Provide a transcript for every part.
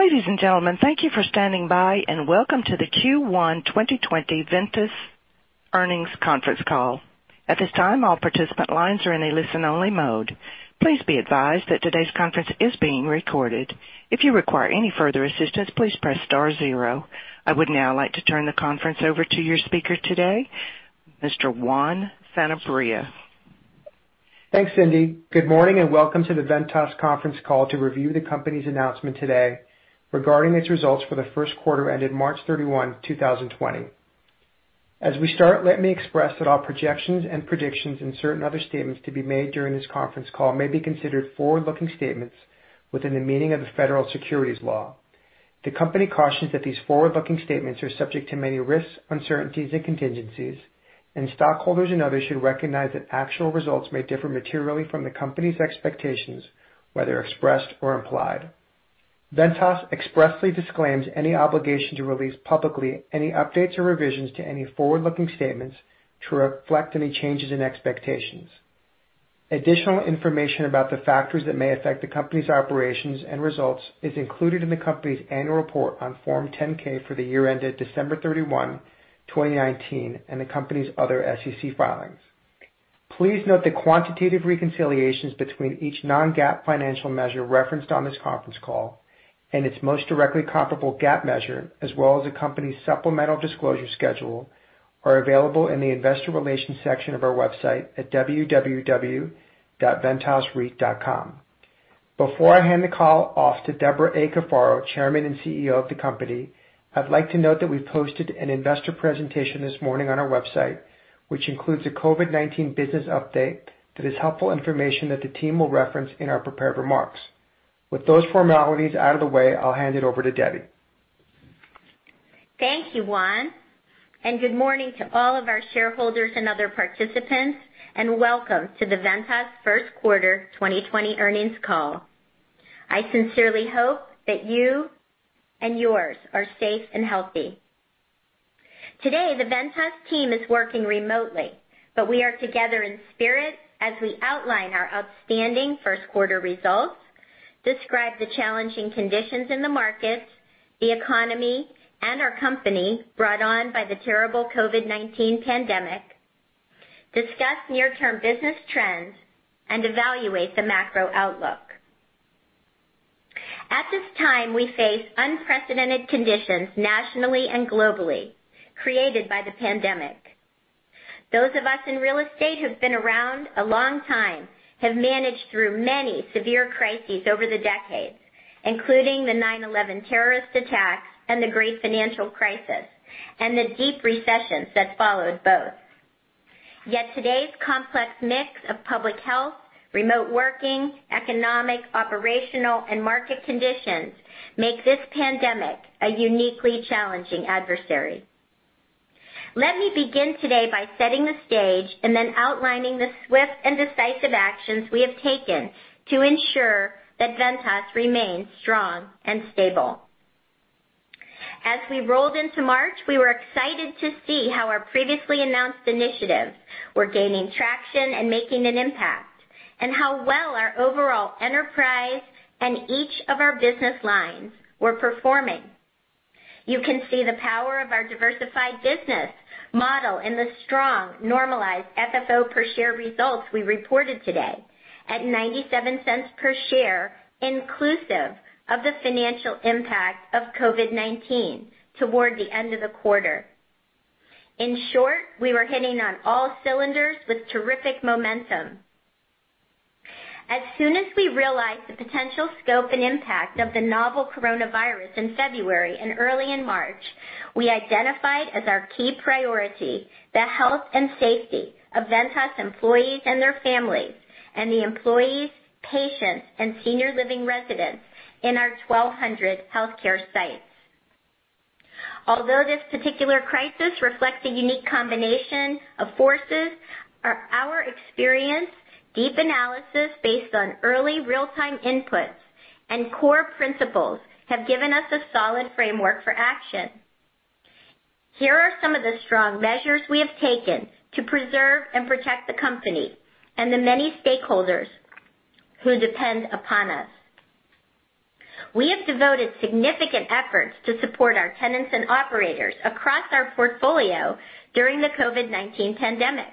Ladies and gentlemen, thank you for standing by, and welcome to the Q1 2020 Ventas Earnings Conference Call. At this time, all participant lines are in a listen-only mode. Please be advised that today's conference is being recorded. If you require any further assistance, please press star zero. I would now like to turn the conference over to your speaker today, Mr. Juan Sanabria. Thanks, Cindy. Good morning and welcome to the Ventas conference call to review the company's announcement today regarding its results for the first quarter ended March 31, 2020. As we start, let me express that all projections and predictions and certain other statements to be made during this conference call may be considered forward-looking statements within the meaning of the Federal Securities Law. The company cautions that these forward-looking statements are subject to many risks, uncertainties and contingencies, and stockholders and others should recognize that actual results may differ materially from the company's expectations, whether expressed or implied. Ventas expressly disclaims any obligation to release publicly any updates or revisions to any forward-looking statements to reflect any changes in expectations. Additional information about the factors that may affect the company's operations and results is included in the company's annual report on Form 10-K for the year ended December 31, 2019, the company's other SEC filings. Please note that quantitative reconciliations between each non-GAAP financial measure referenced on this conference call and its most directly comparable GAAP measure, as well as the company's supplemental disclosure schedule, are available in the investor relations section of our website at www.Ventasreit.com. Before I hand the call off to Debra A. Cafaro, Chairman and CEO of the company, I'd like to note that we've posted an investor presentation this morning on our website, which includes a COVID-19 business update that is helpful information that the team will reference in our prepared remarks. With those formalities out of the way, I'll hand it over to Debbie. Thank you, Juan. Good morning to all of our shareholders and other participants, and welcome to the Ventas First Quarter 2020 Earnings Call. I sincerely hope that you and yours are safe and healthy. Today, the Ventas Team is working remotely, but we are together in spirit as we outline our outstanding first quarter results, describe the challenging conditions in the markets, the economy, and our company brought on by the terrible COVID-19 pandemic, discuss near-term business trends, and evaluate the macro outlook. At this time, we face unprecedented conditions nationally and globally created by the pandemic. Those of us in real estate who've been around a long time have managed through many severe crises over the decades, including the 9/11 terrorist attacks and the great financial crisis, and the deep recessions that followed both. Yet today's complex mix of public health, remote working, economic, operational, and market conditions make this pandemic a uniquely challenging adversary. Let me begin today by setting the stage and then outlining the swift and decisive actions we have taken to ensure that Ventas remains strong and stable. As we rolled into March, we were excited to see how our previously announced initiatives were gaining traction and making an impact, and how well our overall enterprise and each of our business lines were performing. You can see the power of our diversified business model in the strong normalized FFO per share results we reported today at $0.97 per share inclusive of the financial impact of COVID-19 toward the end of the quarter. In short, we were hitting on all cylinders with terrific momentum. As soon as we realized the potential scope and impact of the novel coronavirus in February and early in March, we identified as our key priority the health and safety of Ventas employees and their families, and the employees, patients, and senior living residents in our 1,200 healthcare sites. Although this particular crisis reflects a unique combination of forces, our experience, deep analysis based on early real-time inputs, and core principles have given us a solid framework for action. Here are some of the strong measures we have taken to preserve and protect the company and the many stakeholders who depend upon us. We have devoted significant efforts to support our tenants and operators across our portfolio during the COVID-19 pandemic.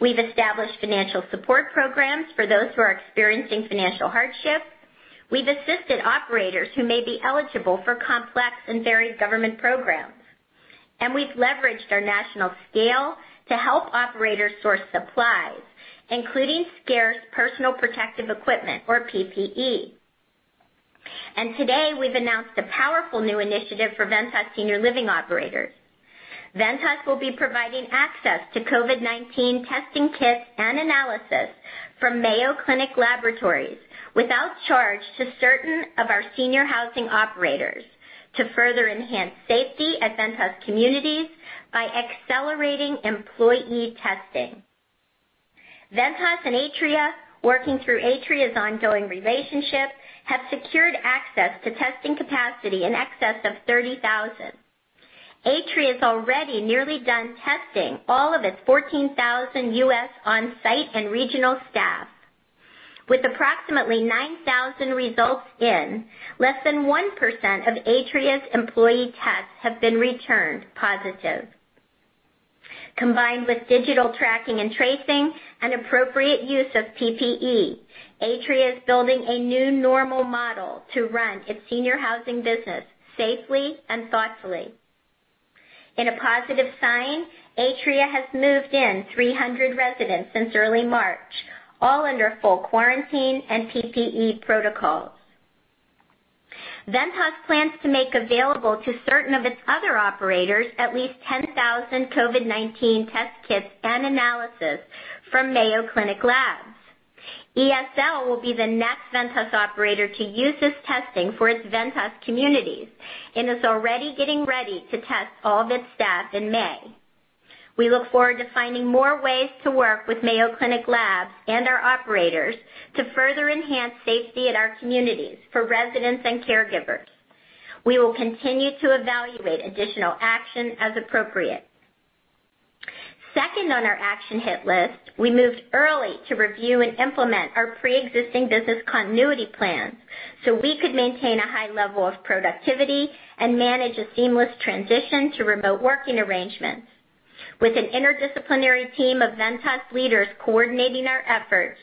We've established financial support programs for those who are experiencing financial hardship. We've assisted operators who may be eligible for complex and varied government programs. We've leveraged our national scale to help operators source supplies, including scarce personal protective equipment or PPE. Today, we've announced a powerful new initiative for Ventas senior living operators. Ventas will be providing access to COVID-19 testing kits and analysis from Mayo Clinic Laboratories without charge to certain of our senior housing operators to further enhance safety at Ventas communities by accelerating employee testing. Ventas and Atria, working through Atria's ongoing relationship, have secured access to testing capacity in excess of 30,000. Atria is already nearly done testing all of its 14,000 U.S. on-site and regional staff. With approximately 9,000 results in, less than 1% of Atria's employee tests have been returned positive. Combined with digital tracking and tracing and appropriate use of PPE, Atria is building a new normal model to run its senior housing business safely and thoughtfully. In a positive sign, Atria has moved in 300 residents since early March, all under full quarantine and PPE protocols. Ventas plans to make available to certain of its other operators at least 10,000 COVID-19 test kits and analysis from Mayo Clinic Labs. ESL will be the next Ventas operator to use this testing for its Ventas communities and is already getting ready to test all of its staff in May. We look forward to finding more ways to work with Mayo Clinic Labs and our operators to further enhance safety at our communities for residents and caregivers. We will continue to evaluate additional action as appropriate. Second on our action hit list, we moved early to review and implement our preexisting business continuity plans so we could maintain a high level of productivity and manage a seamless transition to remote working arrangements. With an interdisciplinary team of Ventas leaders coordinating our efforts,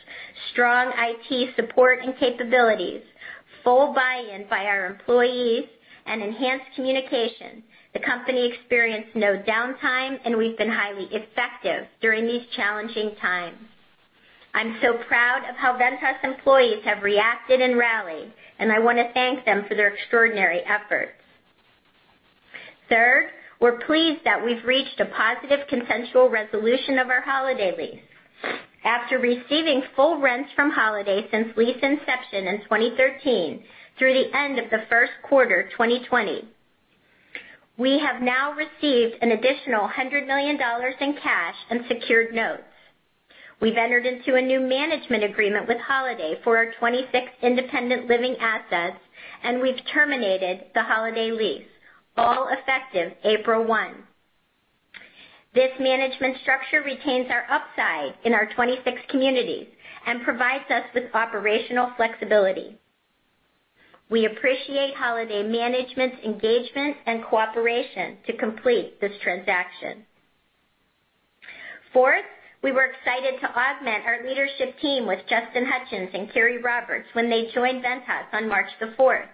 strong IT support and capabilities, full buy-in by our employees, and enhanced communication, the company experienced no downtime, and we've been highly effective during these challenging times. I'm so proud of how Ventas employees have reacted and rallied, and I want to thank them for their extraordinary efforts. Third, we're pleased that we've reached a positive consensual resolution of our Holiday lease. After receiving full rents from Holiday since lease inception in 2013 through the end of the first quarter 2020, we have now received an additional $100 million in cash and secured notes. We've entered into a new management agreement with Holiday for our 26 independent living assets, and we've terminated the Holiday lease, all effective April 1. This management structure retains our upside in our 26 communities and provides us with operational flexibility. We appreciate Holiday Management's engagement and cooperation to complete this transaction. Fourth, we were excited to augment our leadership team with Justin Hutchens and Carey Roberts when they joined Ventas on March the 4th.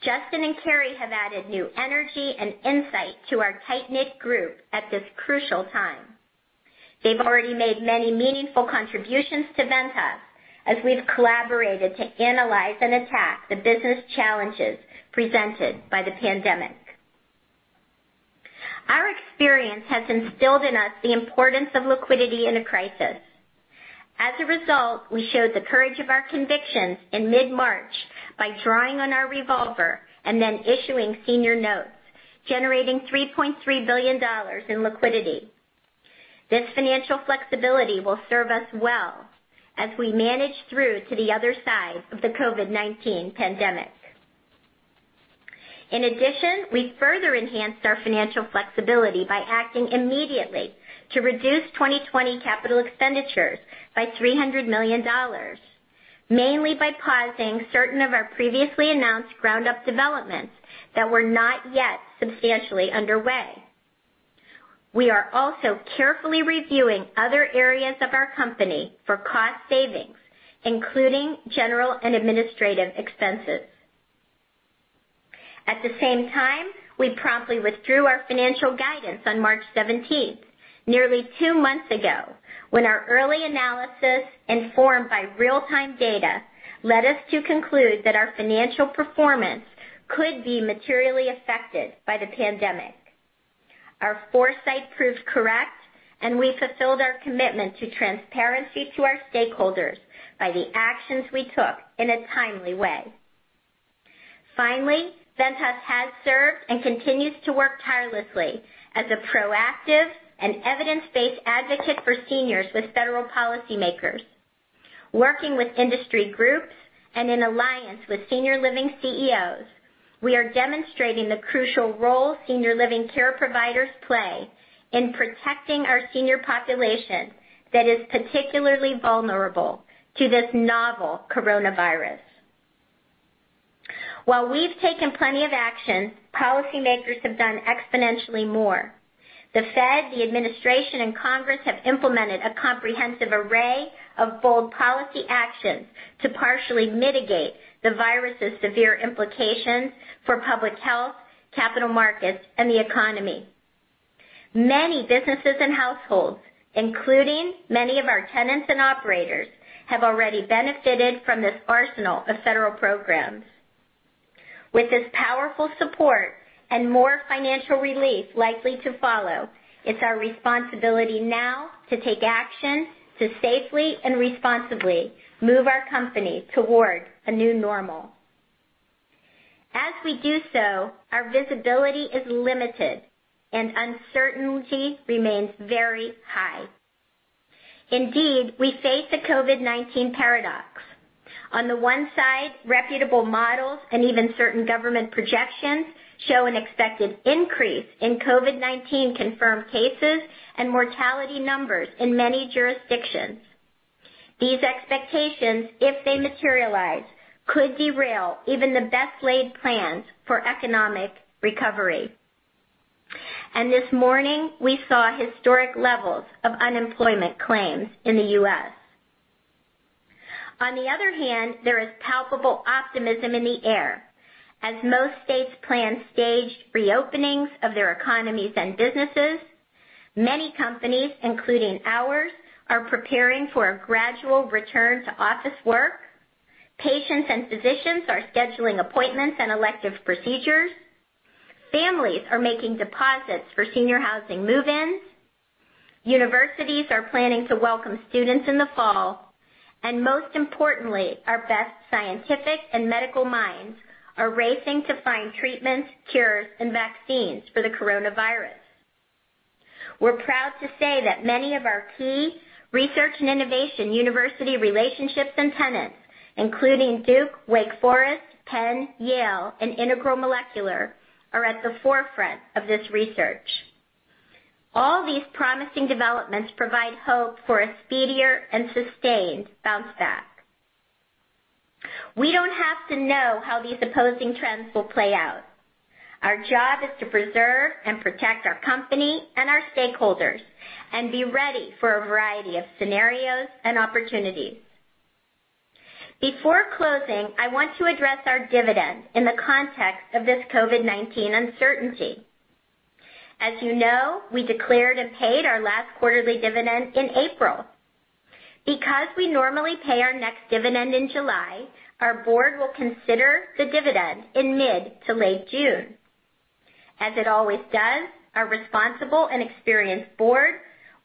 Justin and Carey have added new energy and insight to our tight-knit group at this crucial time. They've already made many meaningful contributions to Ventas as we've collaborated to analyze and attack the business challenges presented by the pandemic. Our experience has instilled in us the importance of liquidity in a crisis. As a result, we showed the courage of our convictions in mid-March by drawing on our revolver and then issuing senior notes, generating $3.3 billion in liquidity. This financial flexibility will serve us well as we manage through to the other side of the COVID-19 pandemic. In addition, we further enhanced our financial flexibility by acting immediately to reduce 2020 capital expenditures by $300 million, mainly by pausing certain of our previously announced ground-up developments that were not yet substantially underway. We are also carefully reviewing other areas of our company for cost savings, including general and administrative expenses. At the same time, we promptly withdrew our financial guidance on March 17th, nearly two months ago, when our early analysis, informed by real-time data, led us to conclude that our financial performance could be materially affected by the pandemic. Our foresight proved correct, and we fulfilled our commitment to transparency to our stakeholders by the actions we took in a timely way. Finally, Ventas has served and continues to work tirelessly as a proactive and evidence-based advocate for seniors with federal policymakers. Working with industry groups and in alliance with senior living CEOs, we are demonstrating the crucial role senior living care providers play in protecting our senior population that is particularly vulnerable to this novel coronavirus. While we've taken plenty of action, policymakers have done exponentially more. The Fed, the Administration, and Congress have implemented a comprehensive array of bold policy actions to partially mitigate the virus's severe implications for public health, capital markets, and the economy. Many businesses and households, including many of our tenants and operators, have already benefited from this arsenal of federal programs. With this powerful support and more financial relief likely to follow, it's our responsibility now to take action to safely and responsibly move our company toward a new normal. As we do so, our visibility is limited, and uncertainty remains very high. Indeed, we face the COVID-19 paradox. On the one side, reputable models and even certain government projections show an expected increase in COVID-19 confirmed cases and mortality numbers in many jurisdictions. These expectations, if they materialize, could derail even the best laid plans for economic recovery. This morning, we saw historic levels of unemployment claims in the U.S. On the other hand, there is palpable optimism in the air as most states plan staged reopenings of their economies and businesses. Many companies, including ours, are preparing for a gradual return to office work. Patients and physicians are scheduling appointments and elective procedures. Families are making deposits for senior housing move-ins. Universities are planning to welcome students in the fall. Most importantly, our best scientific and medical minds are racing to find treatments, cures, and vaccines for the coronavirus. We're proud to say that many of our key research and innovation university relationships and tenants, including Duke, Wake Forest, Penn, Yale, and Integral Molecular, are at the forefront of this research. All these promising developments provide hope for a speedier and sustained bounce back. We don't have to know how these opposing trends will play out. Our job is to preserve and protect our company and our stakeholders and be ready for a variety of scenarios and opportunities. Before closing, I want to address our dividend in the context of this COVID-19 uncertainty. As you know, we declared and paid our last quarterly dividend in April. Because we normally pay our next dividend in July, our board will consider the dividend in mid to late June. As it always does, our responsible and experienced board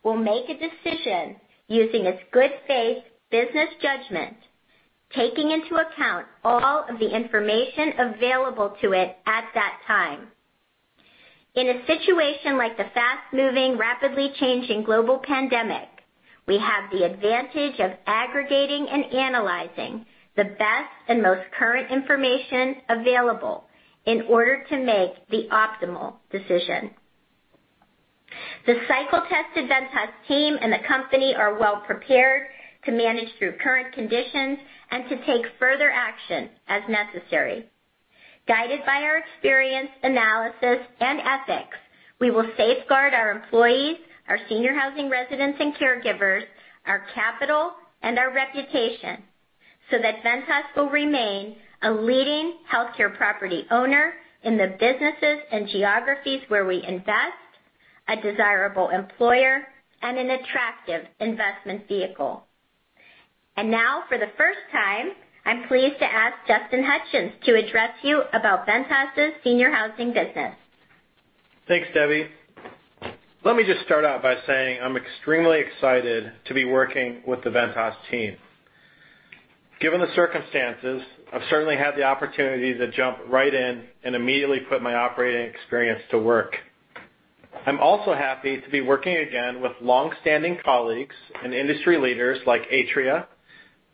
will make a decision using its good faith business judgment, taking into account all of the information available to it at that time. In a situation like the fast-moving, rapidly changing global pandemic, we have the advantage of aggregating and analyzing the best and most current information available in order to make the optimal decision. The cycle-tested Ventas Team and the company are well prepared to manage through current conditions and to take further action as necessary. Guided by our experience, analysis, and ethics, we will safeguard our employees, our senior housing residents and caregivers, our capital, and our reputation so that Ventas will remain a leading healthcare property owner in the businesses and geographies where we invest, a desirable employer, and an attractive investment vehicle. Now, for the first time, I'm pleased to ask Justin Hutchens to address you about Ventas' senior housing business. Thanks, Debbie. Let me just start out by saying I'm extremely excited to be working with the Ventas Team. Given the circumstances, I've certainly had the opportunity to jump right in and immediately put my operating experience to work. I'm also happy to be working again with long-standing colleagues and industry leaders like Atria,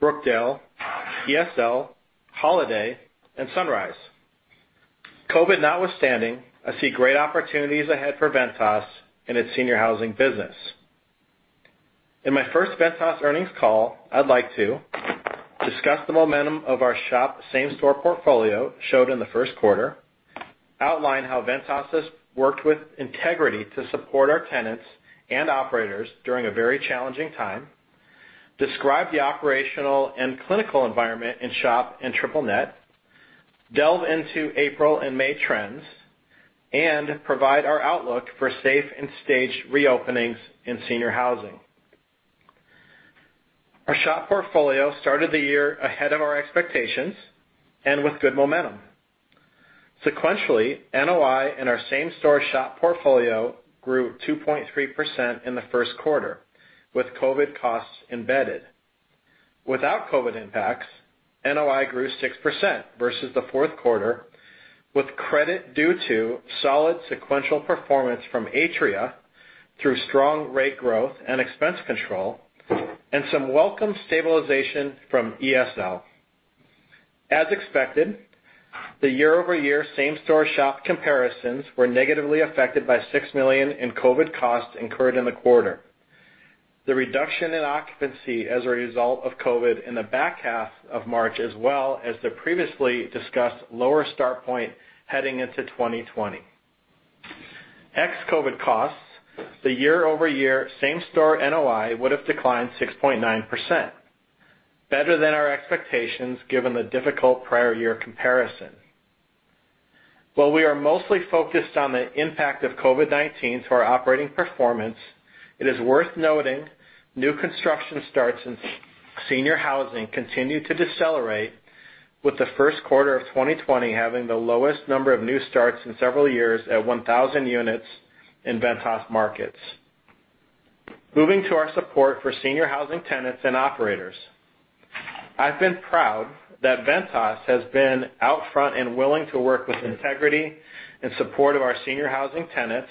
Brookdale, ESL, Holiday, and Sunrise. COVID notwithstanding, I see great opportunities ahead for Ventas and its senior housing business. In my first Ventas earnings call, I'd like to discuss the momentum of our SHOP same-store portfolio showed in the first quarter, outline how Ventas has worked with integrity to support our tenants and operators during a very challenging time, describe the operational and clinical environment in SHOP and triple net, delve into April and May trends, and provide our outlook for safe and staged reopenings in senior housing. Our SHOP portfolio started the year ahead of our expectations and with good momentum. Sequentially, NOI in our same-store SHOP portfolio grew 2.3% in the first quarter with COVID costs embedded. Without COVID impacts, NOI grew 6% versus the fourth quarter, with credit due to solid sequential performance from Atria through strong rate growth and expense control and some welcome stabilization from ESL. As expected, the year-over-year same-store SHOP comparisons were negatively affected by $6 million in COVID costs incurred in the quarter, the reduction in occupancy as a result of COVID in the back half of March, as well as the previously discussed lower start point heading into 2020. Ex-COVID costs, the year-over-year same-store NOI would have declined 6.9%, better than our expectations given the difficult prior year comparison. While we are mostly focused on the impact of COVID-19 to our operating performance, it is worth noting new construction starts in senior housing continued to decelerate, with the first quarter of 2020 having the lowest number of new starts in several years at 1,000 units in Ventas markets. Moving to our support for senior housing tenants and operators. I've been proud that Ventas has been out front and willing to work with integrity in support of our senior housing tenants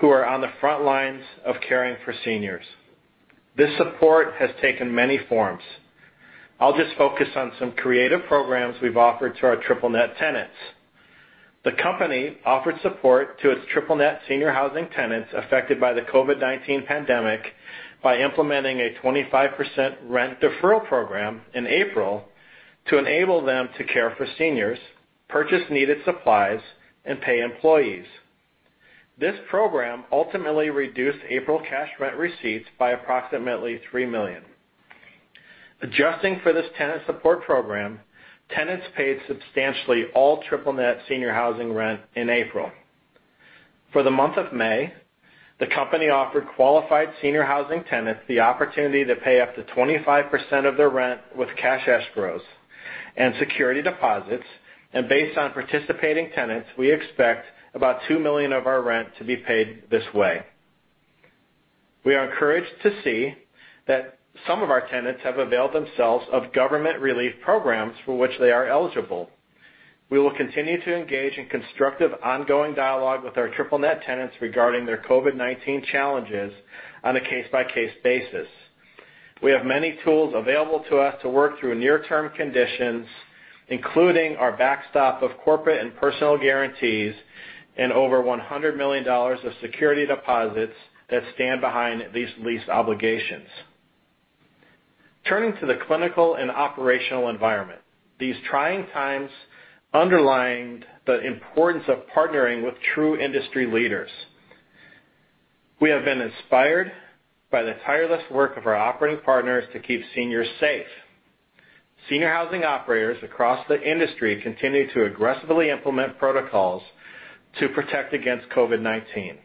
who are on the front lines of caring for seniors. This support has taken many forms. I'll just focus on some creative programs we've offered to our triple-net tenants. The company offered support to its triple-net senior housing tenants affected by the COVID-19 pandemic by implementing a 25% rent deferral program in April to enable them to care for seniors, purchase needed supplies, and pay employees. This program ultimately reduced April cash rent receipts by approximately $3 million. Adjusting for this tenant support program, tenants paid substantially all triple net senior housing rent in April. For the month of May, the company offered qualified senior housing tenants the opportunity to pay up to 25% of their rent with cash escrows and security deposits. Based on participating tenants, we expect about $2 million of our rent to be paid this way. We are encouraged to see that some of our tenants have availed themselves of government relief programs for which they are eligible. We will continue to engage in constructive ongoing dialogue with our triple net tenants regarding their COVID-19 challenges on a case-by-case basis. We have many tools available to us to work through near-term conditions, including our backstop of corporate and personal guarantees, and over $100 million of security deposits that stand behind these lease obligations. Turning to the clinical and operational environment, these trying times underlined the importance of partnering with true industry leaders. We have been inspired by the tireless work of our operating partners to keep seniors safe. Senior housing operators across the industry continue to aggressively implement protocols to protect against COVID-19.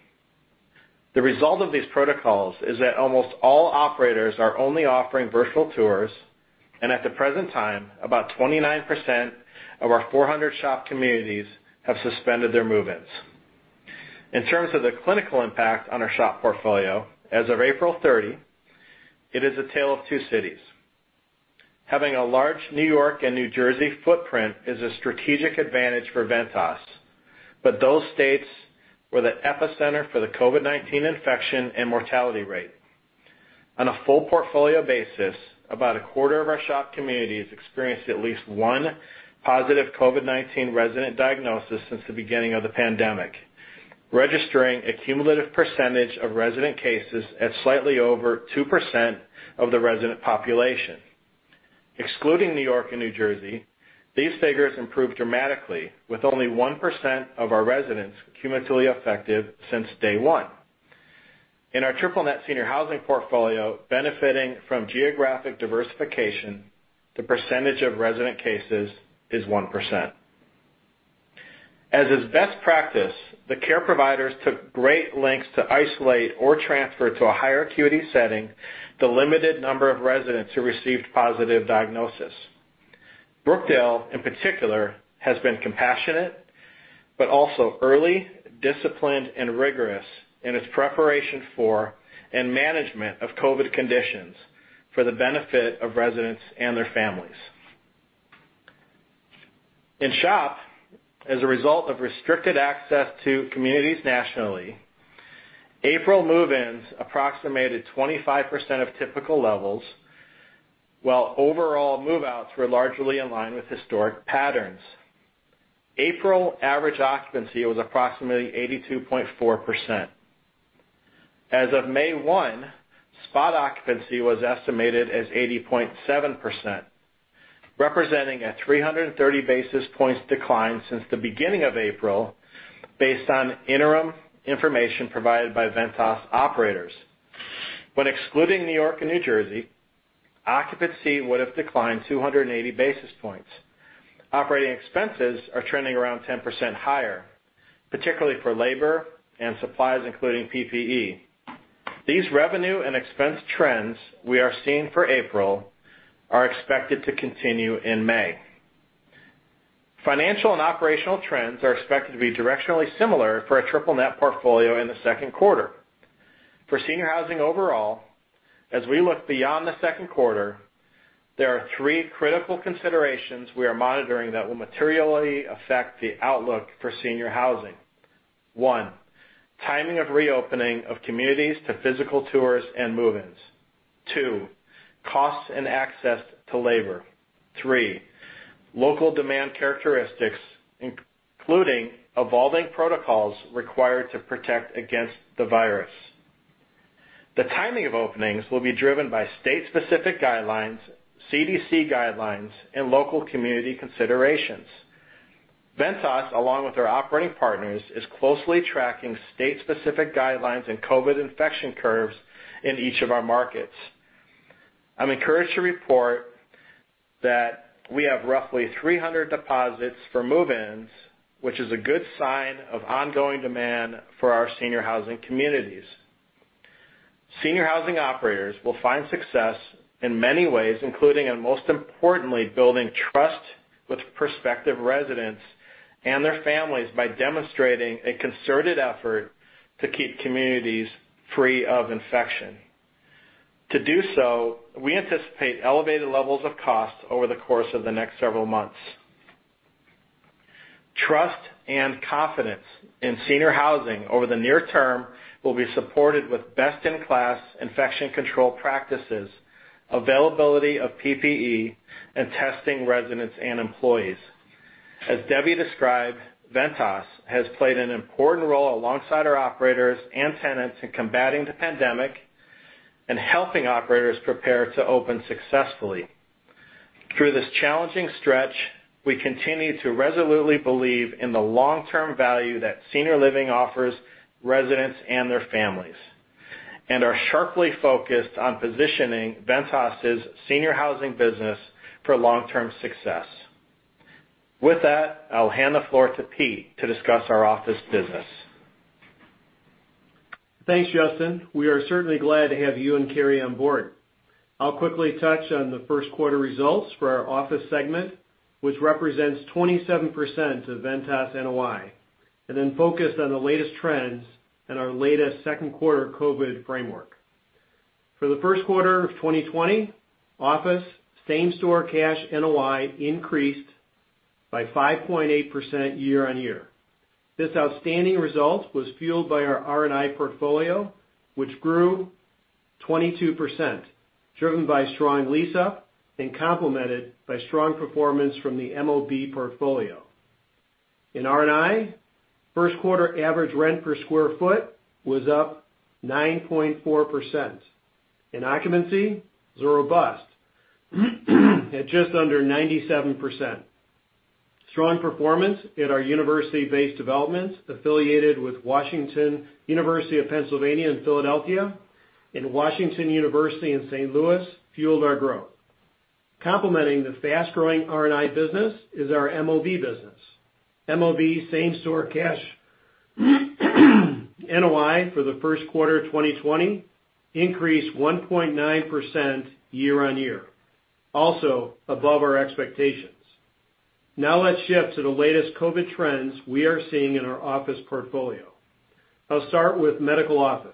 The result of these protocols is that almost all operators are only offering virtual tours, and at the present time, about 29% of our 400 SHOP communities have suspended their move-ins. In terms of the clinical impact on our SHOP portfolio, as of April 30, it is a tale of two cities. Those states were the epicenter for the COVID-19 infection and mortality rate. On a full portfolio basis, about a quarter of our SHOP communities experienced at least one positive COVID-19 resident diagnosis since the beginning of the pandemic, registering a cumulative percentage of resident cases at slightly over 2% of the resident population. Excluding New York and New Jersey, these figures improved dramatically, with only 1% of our residents cumulatively affected since day one. In our triple-net senior housing portfolio benefiting from geographic diversification, the percentage of resident cases is 1%. As is best practice, the care providers took great lengths to isolate or transfer to a higher acuity setting the limited number of residents who received positive diagnosis. Brookdale, in particular, has been compassionate, but also early, disciplined, and rigorous in its preparation for and management of COVID conditions for the benefit of residents and their families. In SHOP, as a result of restricted access to communities nationally, April move-ins approximated 25% of typical levels, while overall move-outs were largely in line with historic patterns. April average occupancy was approximately 82.4%. As of May one, spot occupancy was estimated as 80.7%, representing a 330-basis points decline since the beginning of April based on interim information provided by Ventas operators. When excluding New York and New Jersey, occupancy would have declined 280 basis points. Operating expenses are trending around 10% higher, particularly for labor and supplies, including PPE. These revenue and expense trends we are seeing for April are expected to continue in May. Financial and operational trends are expected to be directionally similar for our triple-net portfolio in the second quarter. For senior housing overall, as we look beyond the second quarter, there are three critical considerations we are monitoring that will materially affect the outlook for senior housing. One, timing of reopening of communities to physical tours and move-ins. Two, costs and access to labor. Three, local demand characteristics, including evolving protocols required to protect against the virus. The timing of openings will be driven by state-specific guidelines, CDC guidelines, and local community considerations. Ventas, along with our operating partners, is closely tracking state-specific guidelines and COVID infection curves in each of our markets. I'm encouraged to report that we have roughly 300 deposits for move-ins, which is a good sign of ongoing demand for our senior housing communities. Senior housing operators will find success in many ways, including, and most importantly, building trust with prospective residents and their families by demonstrating a concerted effort to keep communities free of infection. To do so, we anticipate elevated levels of costs over the course of the next several months. Trust and confidence in senior housing over the near term will be supported with best-in-class infection control practices, availability of PPE, and testing residents and employees. As Debbie described, Ventas has played an important role alongside our operators and tenants in combating the pandemic and helping operators prepare to open successfully. Through this challenging stretch, we continue to resolutely believe in the long-term value that senior living offers residents and their families, and are sharply focused on positioning Ventas' senior housing business for long-term success. With that, I'll hand the floor to Pete to discuss our office business. Thanks, Justin. We are certainly glad to have you and Carey on board. I'll quickly touch on the first quarter results for our office segment, which represents 27% of Ventas NOI, then focus on the latest trends and our latest second quarter COVID framework. For the first quarter of 2020, office same-store cash NOI increased by 5.8% year-on-year. This outstanding result was fueled by our R&I portfolio, which grew 22%, driven by strong lease-up and complemented by strong performance from the MOB portfolio. In R&I, first quarter average rent per square foot was up 9.4%, occupancy was robust at just under 97%. Strong performance at our university-based developments affiliated with University of Pennsylvania in Philadelphia and Washington University in St. Louis fueled our growth. Complementing the fast-growing R&I business is our MOB business. MOB same-store cash NOI for the first quarter 2020 increased 1.9% year-on-year, also above our expectations. Let's shift to the latest COVID trends we are seeing in our office portfolio. I'll start with medical office.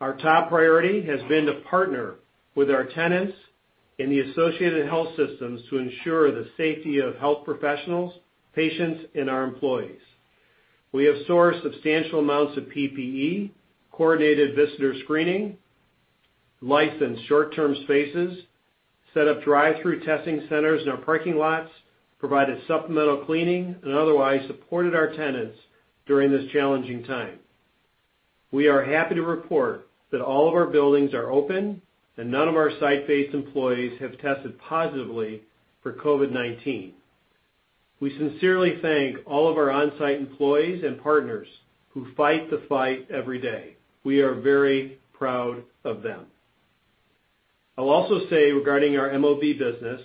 Our top priority has been to partner with our tenants and the associated health systems to ensure the safety of health professionals, patients, and our employees. We have sourced substantial amounts of PPE, coordinated visitor screening, licensed short-term spaces, set up drive-through testing centers in our parking lots, provided supplemental cleaning, and otherwise supported our tenants during this challenging time. We are happy to report that all of our buildings are open and none of our site-based employees have tested positively for COVID-19. We sincerely thank all of our on-site employees and partners who fight the fight every day. We are very proud of them. I'll also say regarding our MOB business,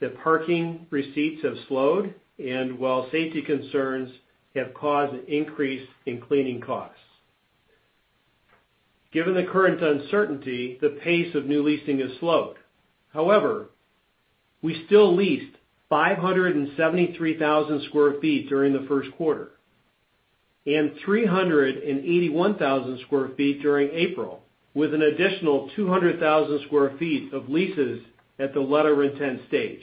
that parking receipts have slowed and while safety concerns have caused an increase in cleaning costs. Given the current uncertainty, the pace of new leasing has slowed. We still leased 573,000 square feet during the first quarter and 381,000 square feet during April, with an additional 200,000 square feet of leases at the letter intent stage.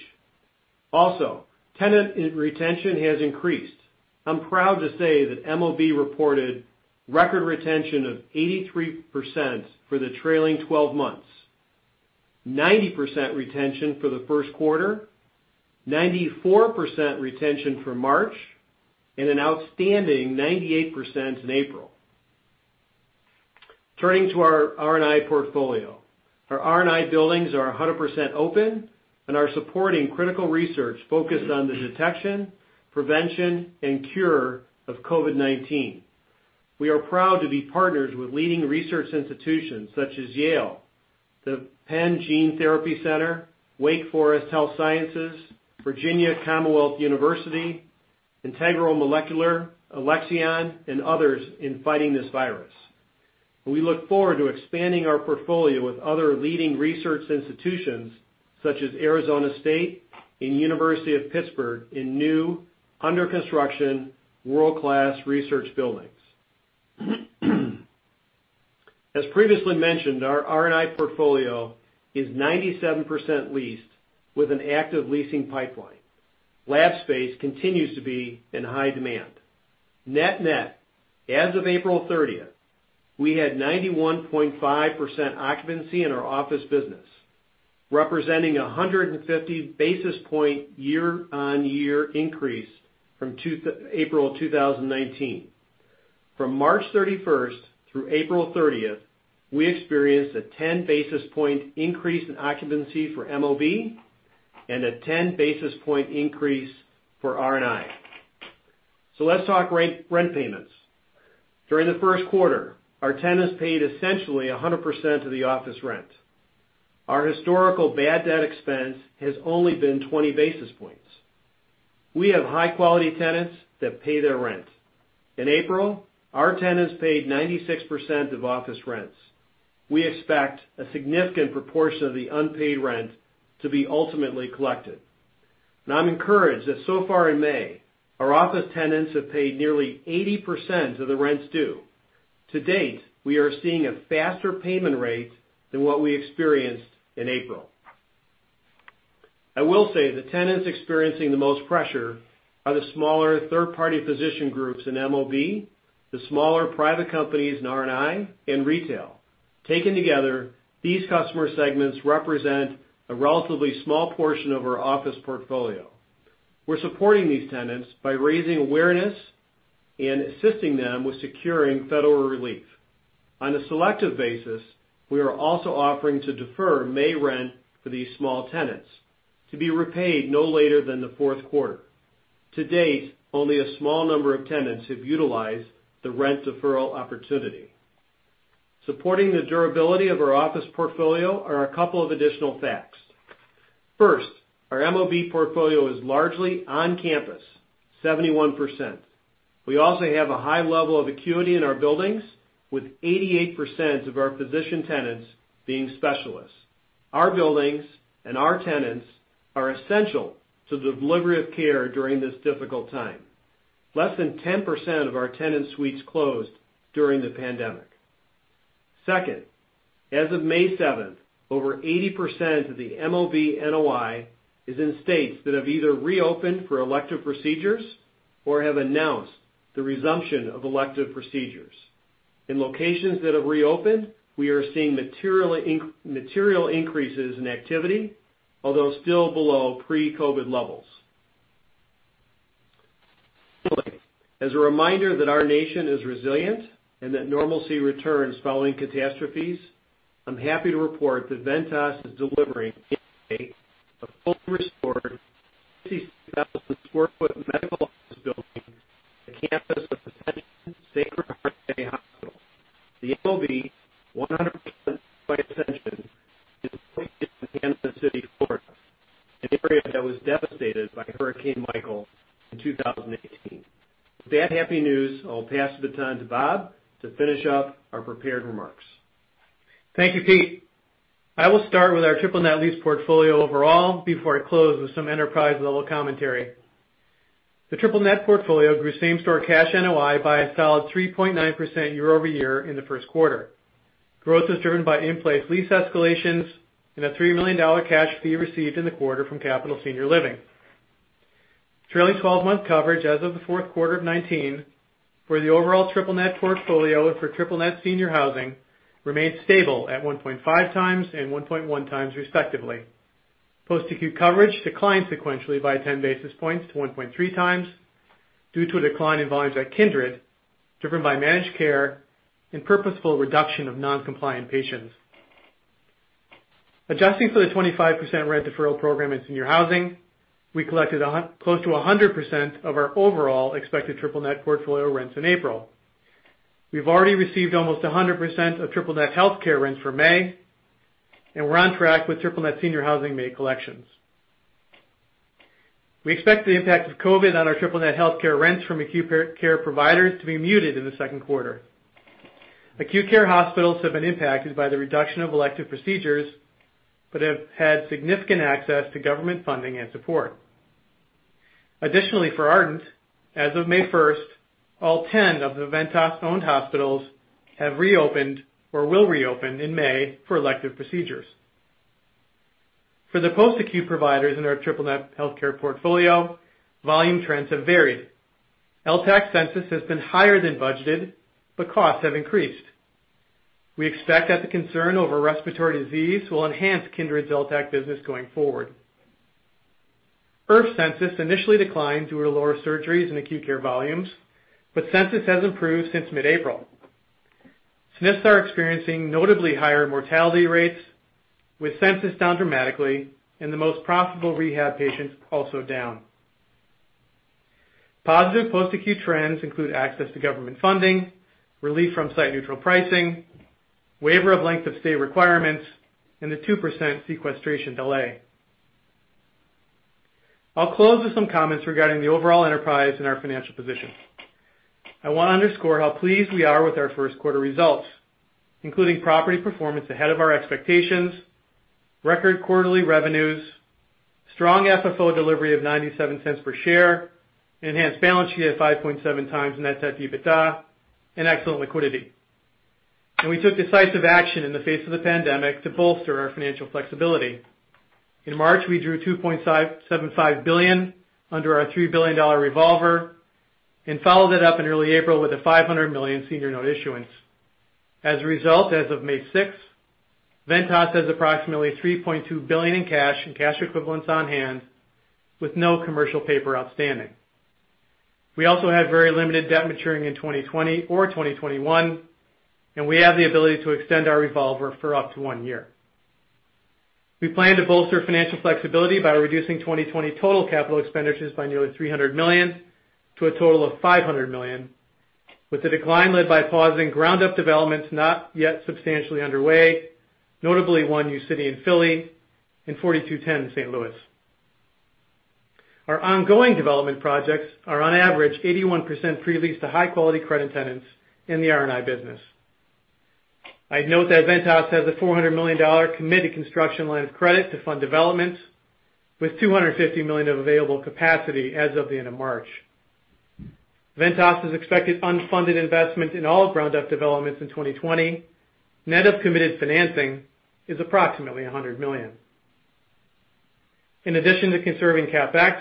Tenant retention has increased. I'm proud to say that MOB reported record retention of 83% for the trailing 12 months, 90% retention for the first quarter, 94% retention for March, and an outstanding 98% in April. Turning to our R&I portfolio. Our R&I buildings are 100% open and are supporting critical research focused on the detection, prevention, and cure of COVID-19. We are proud to be partners with leading research institutions such as Yale, the Penn Gene Therapy Program, Wake Forest School of Medicine, Virginia Commonwealth University, Integral Molecular, Alexion, and others in fighting this virus. We look forward to expanding our portfolio with other leading research institutions such as Arizona State and University of Pittsburgh in new, under-construction, world-class research buildings. As previously mentioned, our R&I portfolio is 97% leased with an active leasing pipeline. Lab space continues to be in high demand. Net-net, as of April 30th, we had 91.5% occupancy in our office business, representing 150 basis point year-on-year increase from April 2019. From March 31st through April 30th, we experienced a 10 basis point increase in occupancy for MOB and a 10 basis point increase for R&I. Let's talk rent payments. During the first quarter, our tenants paid essentially 100% of the office rent. Our historical bad debt expense has only been 20 basis points. We have high-quality tenants that pay their rent. In April, our tenants paid 96% of office rents. We expect a significant proportion of the unpaid rent to be ultimately collected. I'm encouraged that so far in May, our office tenants have paid nearly 80% of the rents due. To date, we are seeing a faster payment rate than what we experienced in April. I will say the tenants experiencing the most pressure are the smaller third-party physician groups in MOB, the smaller private companies in R&I, and retail. Taken together, these customer segments represent a relatively small portion of our office portfolio. We're supporting these tenants by raising awareness and assisting them with securing federal relief. On a selective basis, we are also offering to defer May rent for these small tenants to be repaid no later than the fourth quarter. To date, only a small number of tenants have utilized the rent deferral opportunity. Supporting the durability of our office portfolio are a couple of additional facts. First, our MOB portfolio is largely on campus, 71%. We also have a high level of acuity in our buildings, with 88% of our physician tenants being specialists. Our buildings and our tenants are essential to the delivery of care during this difficult time. Less than 10% of our tenant suites closed during the pandemic. Second, as of May 7th, over 80% of the MOB NOI is in states that have either reopened for elective procedures or have announced the resumption of elective procedures. In locations that have reopened, we are seeing material increases in activity, although still below pre-COVID levels. As a reminder that our nation is resilient and that normalcy returns following catastrophes, I'm happy to report that Ventas is delivering a fully restored 56,000 square foot medical office building on the campus of Ascension Sacred Heart Bay Hospital. The MOB, 100% owned by Ascension, is located in Panama City, Florida, an area that was devastated by Hurricane Michael in 2018. With that happy news, I'll pass the baton to Bob to finish up our prepared remarks. Thank you, Pete. I will start with our triple net lease portfolio overall before I close with some enterprise-level commentary. The triple net portfolio grew same-store cash NOI by a solid 3.9% year-over-year in the first quarter. Growth was driven by in-place lease escalations and a $3 million cash fee received in the quarter from Capital Senior Living. Trailing 12-month coverage as of the fourth quarter of 2019 for the overall triple net portfolio for triple net senior housing remains stable at 1.5 times and 1.1 times respectively. Post-acute coverage declined sequentially by 10 basis points to 1.3 times due to a decline in volumes at Kindred, driven by managed care and purposeful reduction of non-compliant patients. Adjusting for the 25% rent deferral program in senior housing, we collected close to 100% of our overall expected triple net portfolio rents in April. We've already received almost 100% of triple net healthcare rents for May, and we're on track with triple net senior housing May collections. We expect the impact of COVID-19 on our triple net healthcare rents from acute care providers to be muted in the second quarter. Acute care hospitals have been impacted by the reduction of elective procedures, but have had significant access to government funding and support. Additionally, for Ardent, as of May 1st, all 10 of the Ventas-owned hospitals have reopened or will reopen in May for elective procedures. For the post-acute providers in our triple net healthcare portfolio, volume trends have varied. LTAC census has been higher than budgeted, but costs have increased. We expect that the concern over respiratory disease will enhance Kindred's LTAC business going forward. IRF census initially declined due to lower surgeries and acute care volumes, but census has improved since mid-April. SNFs are experiencing notably higher mortality rates, with census down dramatically and the most profitable rehab patients also down. Positive post-acute trends include access to government funding, relief from site neutral pricing, waiver of length of stay requirements, and the 2% sequestration delay. I'll close with some comments regarding the overall enterprise and our financial position. I want to underscore how pleased we are with our first quarter results, including property performance ahead of our expectations, record quarterly revenues, strong FFO delivery of $0.97 per share, enhanced balance sheet at 5.7x net debt to EBITDA, and excellent liquidity. We took decisive action in the face of the pandemic to bolster our financial flexibility. In March, we drew $2.75 billion under our $3 billion revolver and followed it up in early April with a $500 million senior note issuance. As a result, as of May 6th, Ventas has approximately $3.2 billion in cash and cash equivalents on hand, with no commercial paper outstanding. We also have very limited debt maturing in 2020 or 2021. We have the ability to extend our revolver for up to one year. We plan to bolster financial flexibility by reducing 2020 total capital expenditures by nearly $300 million to a total of $500 million, with the decline led by pausing ground-up developments not yet substantially underway, notably One uCity Square in Philly and 4210 St. Louis. Our ongoing development projects are on average 81% pre-leased to high-quality credit tenants in the R&I business. I'd note that Ventas has a $400 million committed construction line of credit to fund developments, with $250 million of available capacity as of the end of March. Ventas' expected unfunded investment in all ground up developments in 2020, net of committed financing, is approximately $100 million. In addition to conserving CapEx,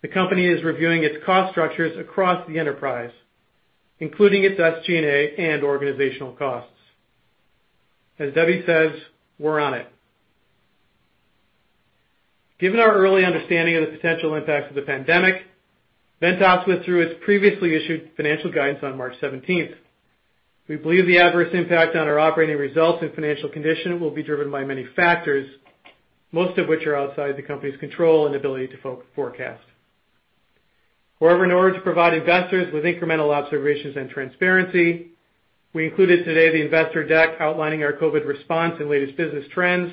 the company is reviewing its cost structures across the enterprise, including its SG&A and organizational costs. As Debbie says, we're on it. Given our early understanding of the potential impacts of the pandemic, Ventas withdrew its previously issued financial guidance on March 17th. We believe the adverse impact on our operating results and financial condition will be driven by many factors, most of which are outside the company's control and ability to forecast. In order to provide investors with incremental observations and transparency, we included today the investor deck outlining our COVID response and latest business trends,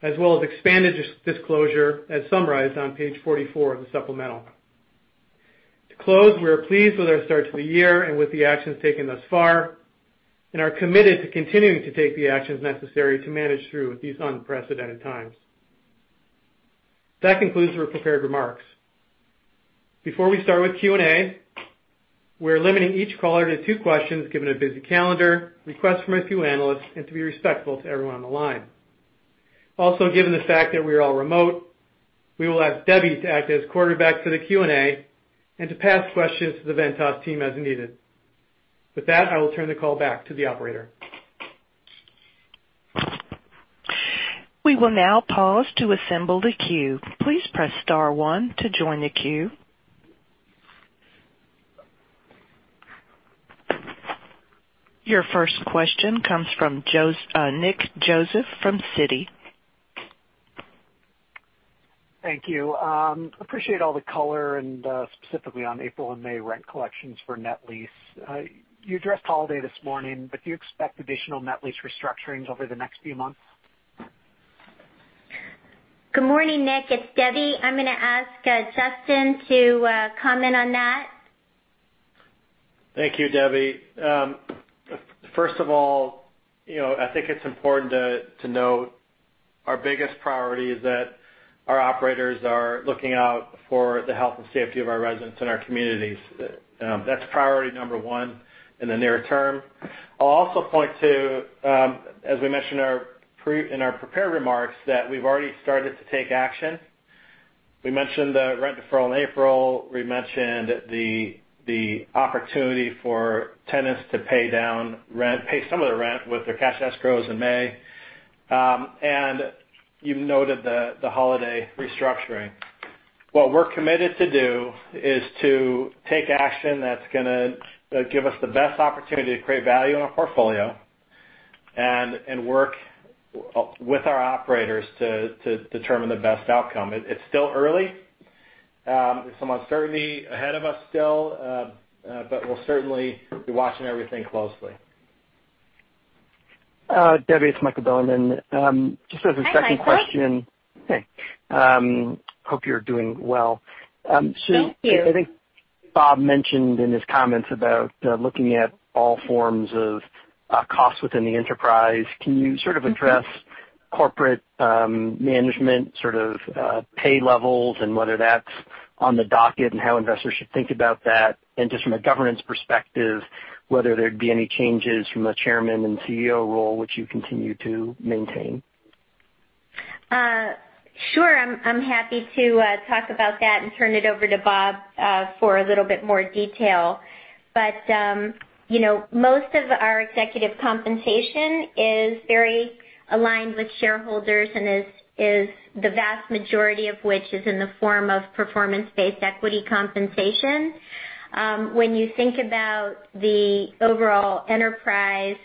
as well as expanded disclosure as summarized on page 44 of the supplemental. To close, we are pleased with our start to the year and with the actions taken thus far, and are committed to continuing to take the actions necessary to manage through these unprecedented times. That concludes our prepared remarks. Before we start with Q&A, we're limiting each caller to two questions, given a busy calendar, requests from a few analysts, and to be respectful to everyone on the line. Also, given the fact that we are all remote, we will ask Debbie to act as quarterback for the Q&A and to pass questions to the Ventas Team as needed. With that, I will turn the call back to the operator. We will now pause to assemble the queue. Please press star one to join the queue. Your first question comes from Nick Joseph from Citigroup. Thank you. Appreciate all the color and specifically on April and May rent collections for net lease. You addressed Holiday this morning, but do you expect additional net lease restructurings over the next few months? Good morning, Nick. It's Debbie. I'm going to ask Justin to comment on that. Thank you, Debbie. First of all, I think it's important to note our biggest priority is that our operators are looking out for the health and safety of our residents and our communities. That's priority number one in the near term. I'll also point to, as we mentioned in our prepared remarks, that we've already started to take action. We mentioned the rent deferral in April. We mentioned the opportunity for tenants to pay some of their rent with their cash escrows in May. You noted the Holiday restructuring. What we're committed to do is to take action that's going to give us the best opportunity to create value in our portfolio and work with our operators to determine the best outcome. It's still early. There's some uncertainty ahead of us still. We'll certainly be watching everything closely. Debbie, it's Michael Bilerman. Just as a second question. Hi, Michael. Hey. Hope you're doing well. Thank you. I think Bob mentioned in his comments about looking at all forms of costs within the enterprise. Can you sort of address corporate management pay levels and whether that's on the docket and how investors should think about that? Just from a governance perspective, whether there'd be any changes from a Chairman and CEO role, which you continue to maintain? Sure. I'm happy to talk about that and turn it over to Bob for a little bit more detail. Most of our executive compensation is very aligned with shareholders and the vast majority of which is in the form of performance-based equity compensation. When you think about the overall enterprise,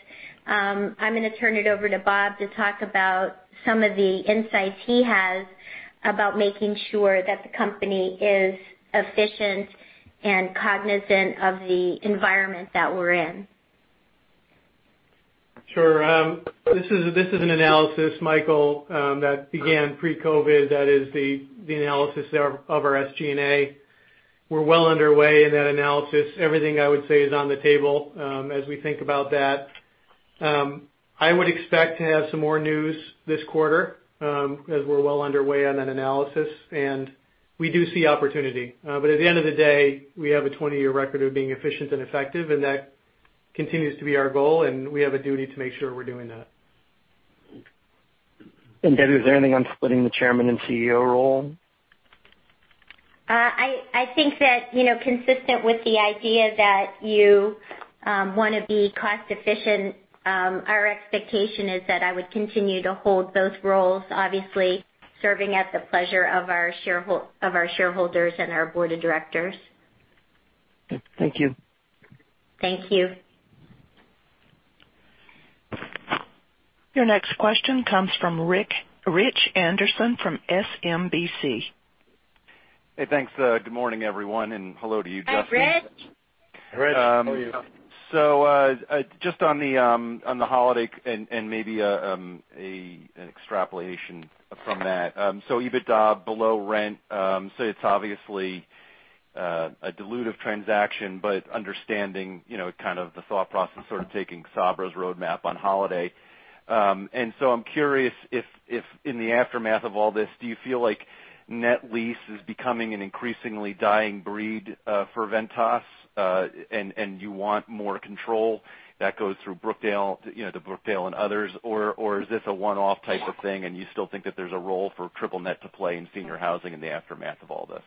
I'm going to turn it over to Bob to talk about some of the insights he has about making sure that the company is efficient and cognizant of the environment that we're in. Sure. This is an analysis, Michael, that began pre-COVID. That is the analysis of our SG&A. We're well underway in that analysis. Everything I would say is on the table as we think about that. I would expect to have some more news this quarter, as we're well underway on that analysis, and we do see opportunity. At the end of the day, we have a 20-year record of being efficient and effective, and that continues to be our goal, and we have a duty to make sure we're doing that. Debbie, is there anything on splitting the Chairman and CEO role? I think that consistent with the idea that you want to be cost efficient, our expectation is that I would continue to hold both roles, obviously serving at the pleasure of our shareholders and our board of directors. Thank you. Thank you. Your next question comes from Rich Anderson from SMBC. Hey, thanks. Good morning, everyone, and hello to you, Justin. Hi, Rich. Rich, how are you? Just on the Holiday and maybe an extrapolation from that. EBITDA below rent, so it's obviously a dilutive transaction, but understanding kind of the thought process, sort of taking Sabra's roadmap on Holiday. I'm curious if in the aftermath of all this, do you feel like net lease is becoming an increasingly dying breed for Ventas, and you want more control that goes through Brookdale, the Brookdale and others, or is this a one-off type of thing and you still think that there's a role for triple net to play in senior housing in the aftermath of all this?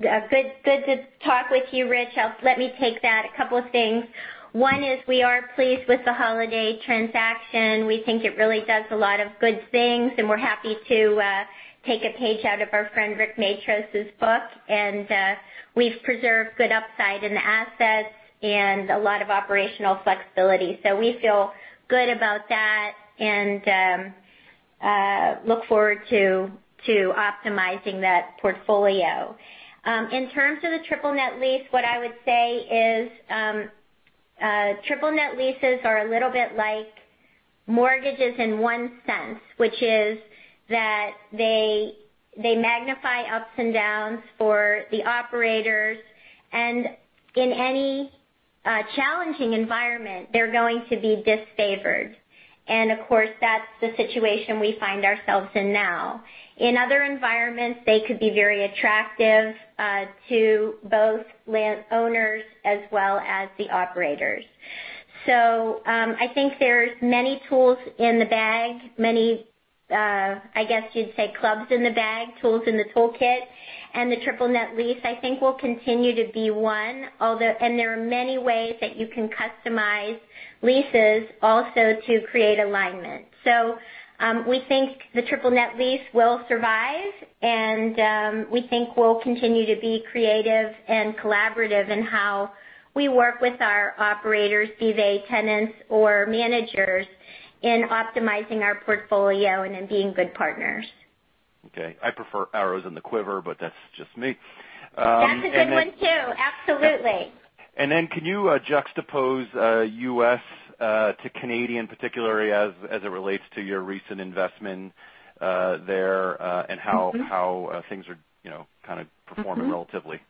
Good to talk with you, Rich. Let me take that. A couple of things. One is we are pleased with the Holiday transaction. We think it really does a lot of good things, and we're happy to take a page out of our friend Rick Matros' book, and we've preserved good upside in the assets and a lot of operational flexibility. We feel good about that and look forward to optimizing that portfolio. In terms of the triple net lease, what I would say is, triple net leases are a little bit like mortgages in one sense, which is that they magnify ups and downs for the operators, and in any challenging environment, they're going to be disfavored. Of course, that's the situation we find ourselves in now. In other environments, they could be very attractive to both owners as well as the operators. I think there's many tools in the bag, many, I guess you'd say clubs in the bag, tools in the toolkit, and the triple net lease, I think will continue to be one. There are many ways that you can customize leases also to create alignment. We think the triple net lease will survive, and we think we'll continue to be creative and collaborative in how we work with our operators, be they tenants or managers, in optimizing our portfolio and in being good partners. Okay. I prefer arrows in the quiver, but that's just me. That's a good one, too. Absolutely. Can you juxtapose U.S. to Canadian, particularly as it relates to your recent investment there and how things are kind of performing relatively?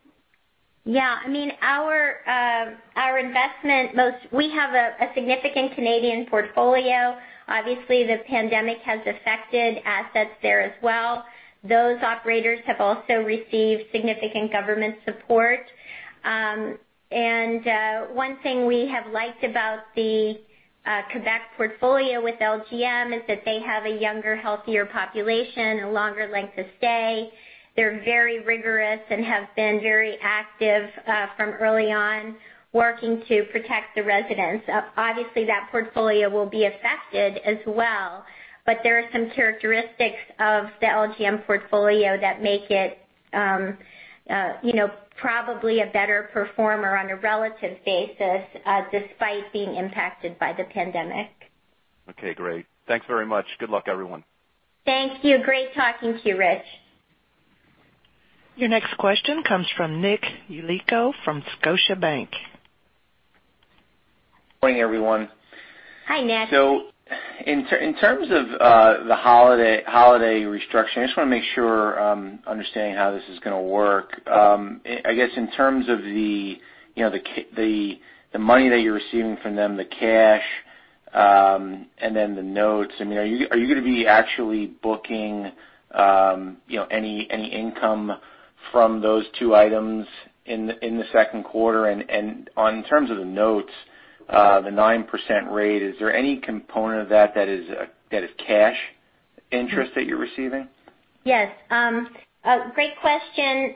Yeah. Our investment, we have a significant Canadian portfolio. Obviously, the pandemic has affected assets there as well. Those operators have also received significant government support. One thing we have liked about the Quebec portfolio with LGM is that they have a younger, healthier population, a longer length of stay. They're very rigorous and have been very active from early on, working to protect the residents. Obviously, that portfolio will be affected as well, but there are some characteristics of the LGM portfolio that make it probably a better performer on a relative basis despite being impacted by the pandemic. Okay, great. Thanks very much. Good luck, everyone. Thank you. Great talking to you, Rich. Your next question comes from Nick Yulico from Scotiabank. Morning, everyone. Hi, Nick. In terms of the Holiday restructure, I just want to make sure I'm understanding how this is going to work. I guess in terms of the money that you're receiving from them, the cash, and then the notes. Are you going to be actually booking any income from those two items in the second quarter? In terms of the notes, the 9% rate, is there any component of that that is cash interest that you're receiving? Yes. Great question.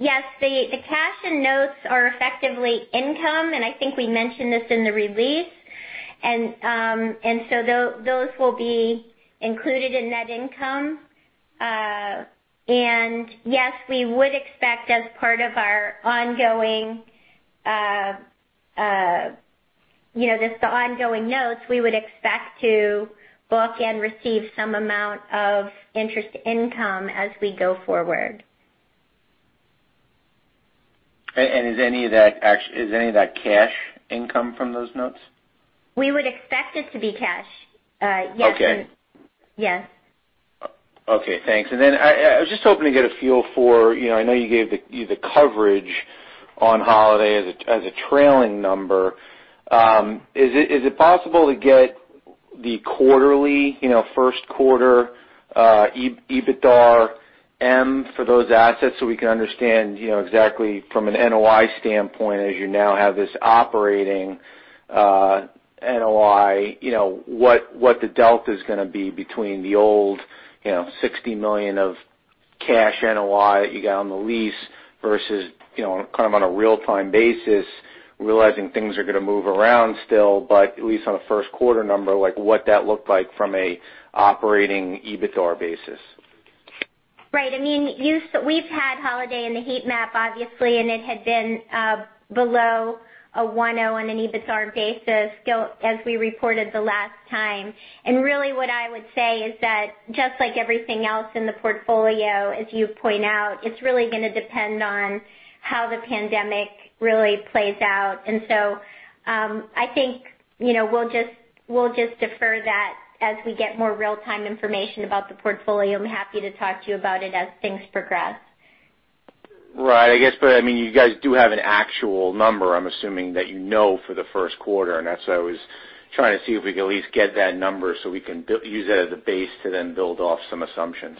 Yes, the cash and notes are effectively income, and I think we mentioned this in the release. Those will be included in net income. Yes, we would expect as part of our ongoing notes, we would expect to book and receive some amount of interest income as we go forward. Is any of that cash income from those notes? We would expect it to be cash. Okay. Yes. Okay, thanks. I was just hoping to get a feel for, I know you gave the coverage on Holiday as a trailing number. Is it possible to get the quarterly, first quarter, EBITDARM for those assets so we can understand exactly from an NOI standpoint as you now have this operating NOI, what the delta is going to be between the old $60 million of cash NOI that you got on the lease versus, kind of on a real-time basis, realizing things are going to move around still, but at least on a first quarter number, like what that looked like from a operating EBITDAR basis? Right. We've had Holiday in the heat map, obviously, and it ha d been below a 1.0 on an EBITDAR basis as we reported the last time. Really what I would say is that just like everything else in the portfolio, as you point out, it's really going to depend on how the pandemic really plays out. I think we'll just defer that as we get more real-time information about the portfolio. I'm happy to talk to you about it as things progress. Right. I guess, but you guys do have an actual number, I'm assuming, that you know for the first quarter, and that's why I was trying to see if we could at least get that number so we can use that as a base to then build off some assumptions.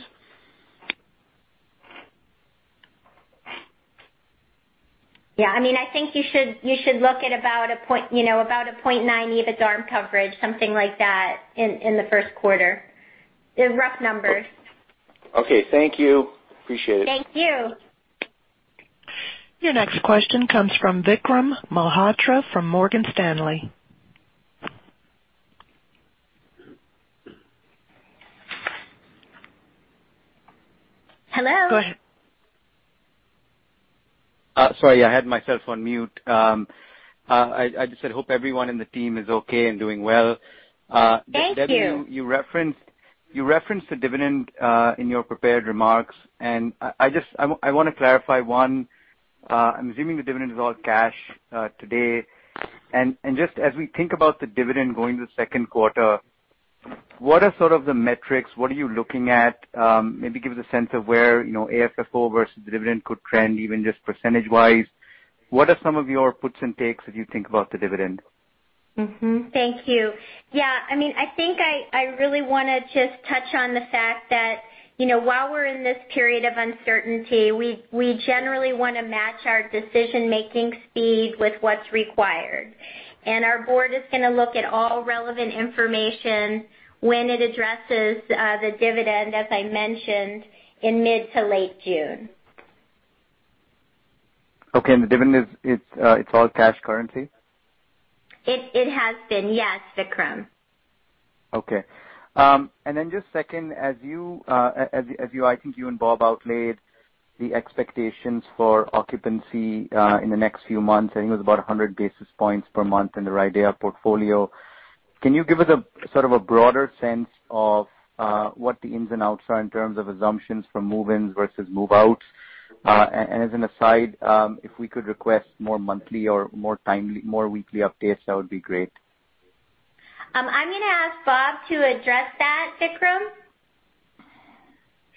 Yeah. I think you should look at about a 0.9 EBITDARM coverage, something like that, in the first quarter. They're rough numbers. Okay, thank you. Appreciate it. Thank you. Your next question comes from Vikram Malhotra from Morgan Stanley. Hello? Go ahead. Sorry, I had myself on mute. I just said, hope everyone in the team is okay and doing well. Thank you. Debbie, you referenced the dividend in your prepared remarks, and I want to clarify one. I'm assuming the dividend is all cash today. just as we think about the dividend going to the second quarter, what are sort of the metrics? What are you looking at? Maybe give us a sense of where AFFO versus dividend could trend, even just percentage-wise. What are some of your puts and takes as you think about the dividend? Thank you. I think I really want to just touch on the fact that, while we're in this period of uncertainty, we generally want to match our decision-making speed with what's required. Our board is going to look at all relevant information when it addresses the dividend, as I mentioned, in mid to late June. Okay, the dividend is all cash currency? It has been, yes, Vikram. Okay. just second, as I think you and Bob outlined the expectations for occupancy in the next few months, I think it was about 100 basis points per month in the RIDEA portfolio. Can you give us sort of a broader sense of what the ins and outs are in terms of assumptions from move-ins versus move-outs? as an aside, if we could request more monthly or more weekly updates, that would be great. I'm going to ask Bob to address that, Vikram.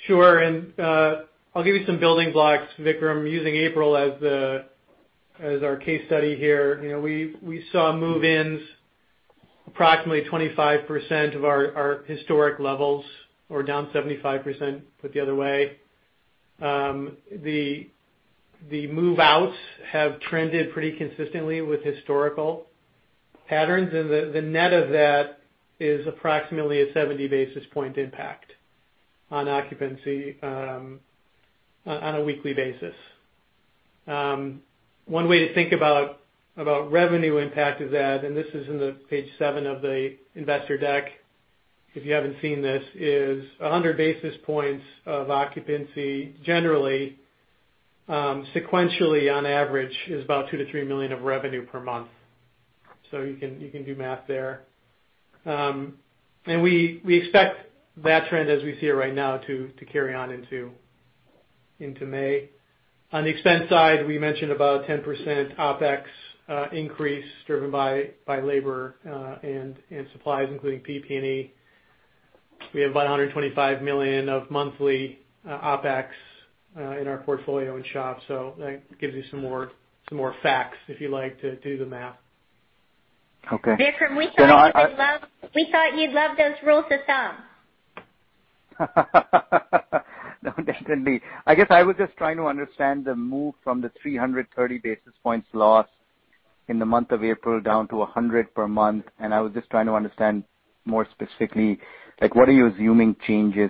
Sure. I'll give you some building blocks, Vikram, using April as our case study here. We saw move-ins approximately 25% of our historic levels or down 75%, put the other way. The move-outs have trended pretty consistently with historical patterns, and the net of that is approximately a 70-basis-point impact on occupancy on a weekly basis. One way to think about revenue impact is that, and this is in the page seven of the investor deck, if you haven't seen this, is 100 basis points of occupancy generally, sequentially on average, is about $2 million-$3 million of revenue per month. You can do math there. We expect that trend as we see it right now to carry on into May. On the expense side, we mentioned about a 10% OpEx increase driven by labor and supplies, including PPE. We have $125 million of monthly OpEx in our portfolio in SHOP, so that gives you some more facts, if you like to do the math. Okay. Vikram, we thought you'd love those rules of thumb. No, definitely. I guess I was just trying to understand the move from the 330 basis points lost in the month of April down to 100 per month, and I was just trying to understand more specifically, what are you assuming changes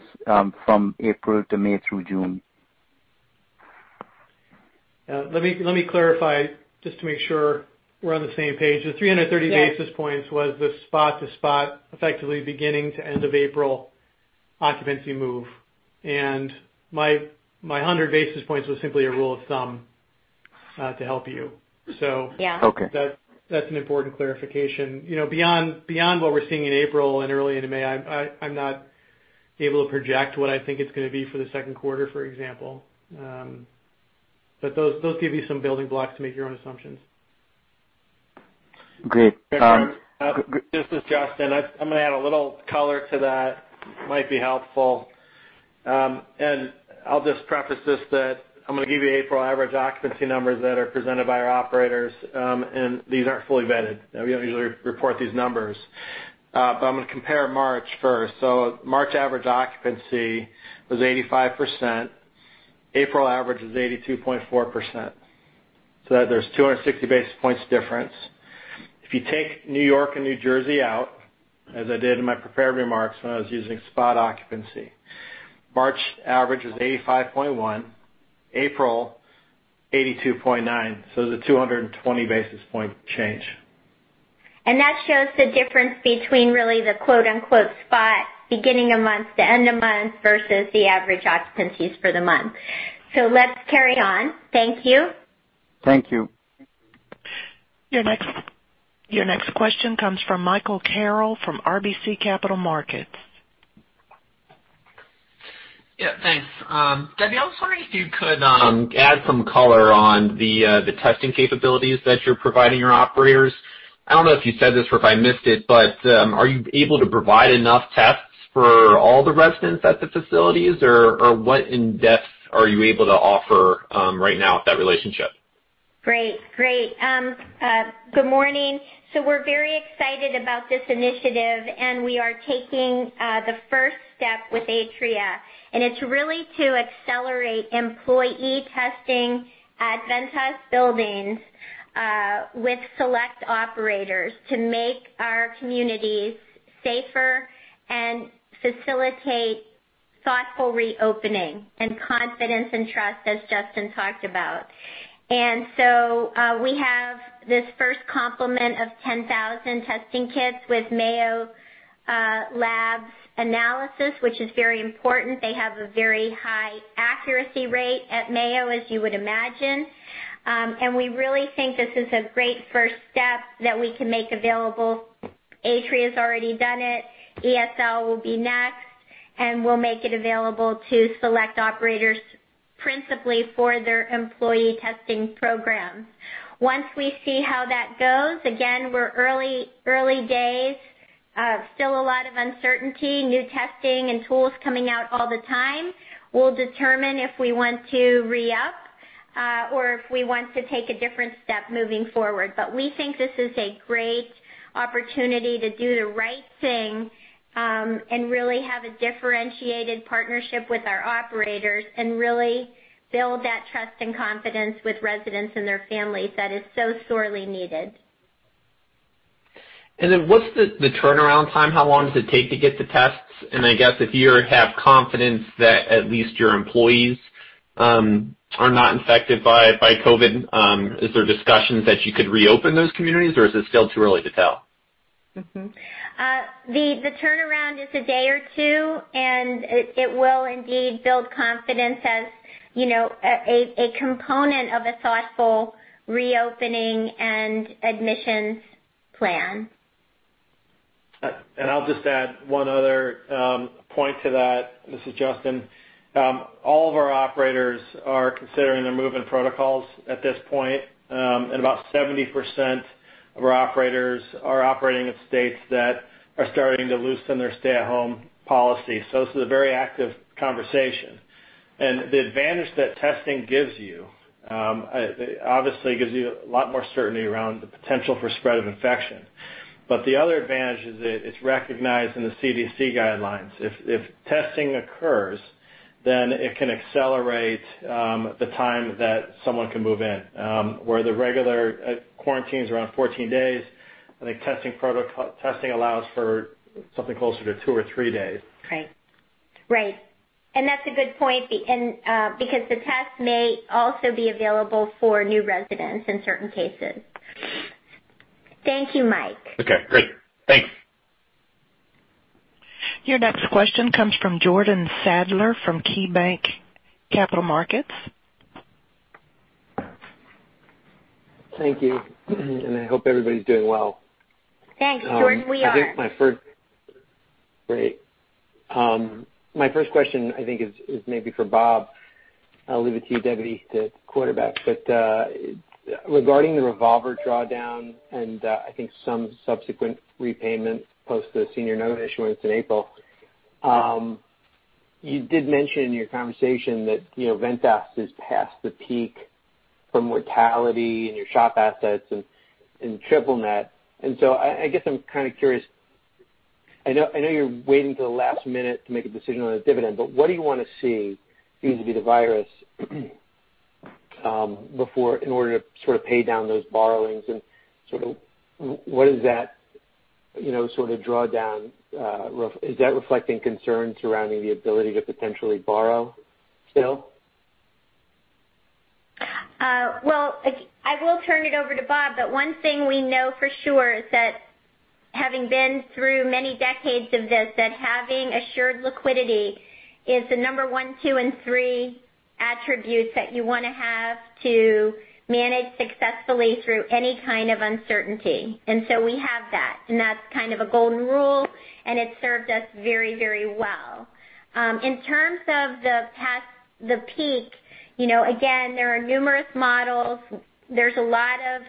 from April to May through June? Let me clarify, just to make sure we're on the same page. The 330 basis points was the spot-to-spot, effectively beginning to end of April occupancy move. And my 100 basis points was simply a rule of thumb to help you. Yeah. Okay. That's an important clarification. Beyond what we're seeing in April and early into May, I'm not able to project what I think it's going to be for the second quarter, for example. Those give you some building blocks to make your own assumptions. Great. Vikram, this is Justin. I'm going to add a little color to that, might be helpful. I'll just preface this that I'm going to give you April average occupancy numbers that are presented by our operators, and these aren't fully vetted. We don't usually report these numbers. I'm going to compare March first. March average occupancy was 85%. April average was 82.4%. There's 260 basis points difference. If you take New York and New Jersey out, as I did in my prepared remarks when I was using spot occupancy, March average was 85.1, April 82.9, so it was a 220-basis-point change. That shows the difference between really the "spot" beginning of month to end of month versus the average occupancies for the month. Let's carry on. Thank you. Thank you. Your next question comes from Michael Carroll from RBC Capital Markets. Yeah, thanks. Debbie, I was wondering if you could add some color on the testing capabilities that you're providing your operators. I don't know if you said this, or if I missed it, but are you able to provide enough tests for all the residents at the facilities, or what in-depth are you able to offer right now with that relationship? Great. Good morning. we're very excited about this initiative, and we are taking the first step with Atria, and it's really to accelerate employee testing at Ventas buildings with select operators to make our communities safer and facilitate thoughtful reopening, and confidence and trust, as Justin talked about. we have this first complement of 10,000 testing kits with Mayo Labs analysis, which is very important. They have a very high accuracy rate at Mayo, as you would imagine. we really think this is a great first step that we can make available. Atria's already done it. ESL will be next. we'll make it available to select operators principally for their employee testing program. Once we see how that goes, again, we're early days. Still a lot of uncertainty. New testing and tools coming out all the time. We'll determine if we want to re-up, or if we want to take a different step moving forward. We think this is a great opportunity to do the right thing and really have a differentiated partnership with our operators and really build that trust and confidence with residents and their families that is so sorely needed. What's the turnaround time? How long does it take to get the tests? I guess if you have confidence that at least your employees are not infected by COVID, is there discussions that you could reopen those communities, or is it still too early to tell? The turnaround is a day or two, and it will indeed build confidence as a component of a thoughtful reopening and admissions plan. I'll just add one other point to that. This is Justin. All of our operators are considering their move-in protocols at this point. About 70% of our operators are operating in states that are starting to loosen their stay-at-home policy. This is a very active conversation. The advantage that testing gives you, obviously it gives you a lot more certainty around the potential for spread of infection. The other advantage is it's recognized in the CDC guidelines. If testing occurs, then it can accelerate the time that someone can move in. Where the regular quarantine is around 14 days, the testing allows for something closer to two or three days. Right. That's a good point, because the test may also be available for new residents in certain cases. Thank you, Mike. Okay, great. Thanks. Your next question comes from Jordan Sadler from KeyBanc Capital Markets. Thank you. I hope everybody's doing well. Thanks, Jordan. We are. Great. My first question I think is maybe for Bob. I'll leave it to you, Debbie, to quarterback. Regarding the revolver drawdown and I think some subsequent repayment post the senior note issuance in April, you did mention in your conversation that Ventas is past the peak for mortality in your SHOP assets and triple net. I guess I'm kind of curious. I know you're waiting till the last minute to make a decision on this dividend, but what do you want to see vis-a-vis the virus in order to sort of pay down those borrowings and sort of what is that sort of drawdown? Is that reflecting concern surrounding the ability to potentially borrow still? Well, I will turn it over to Bob, but one thing we know for sure is that having been through many decades of this, that having assured liquidity is the number one, two, and three attributes that you want to have to manage successfully through any kind of uncertainty. We have that, and that's kind of a golden rule, and it's served us very well. In terms of the past the peak, again, there are numerous models. There's a lot of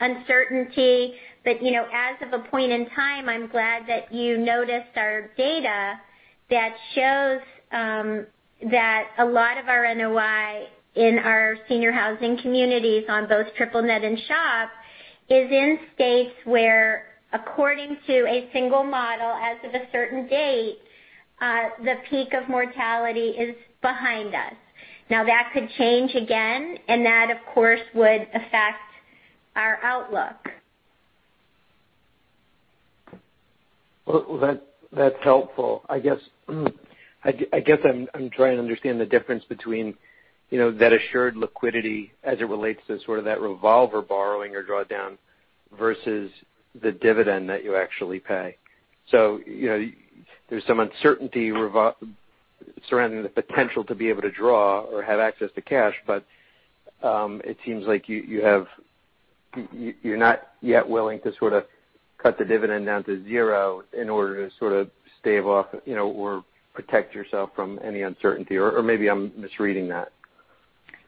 uncertainty, but as of a point in time, I'm glad that you noticed our data that shows that a lot of our NOI in our senior housing communities on both triple net and SHOP is in states where according to a single model as of a certain date, the peak of mortality is behind us. Now, that could change again, and that of course would affect our outlook. Well, that's helpful. I guess I'm trying to understand the difference between that assured liquidity as it relates to sort of that revolver borrowing or drawdown versus the dividend that you actually pay. There's some uncertainty surrounding the potential to be able to draw or have access to cash, but it seems like you have. You're not yet willing to sort of cut the dividend down to zero in order to sort of stave off or protect yourself from any uncertainty, or maybe I'm misreading that.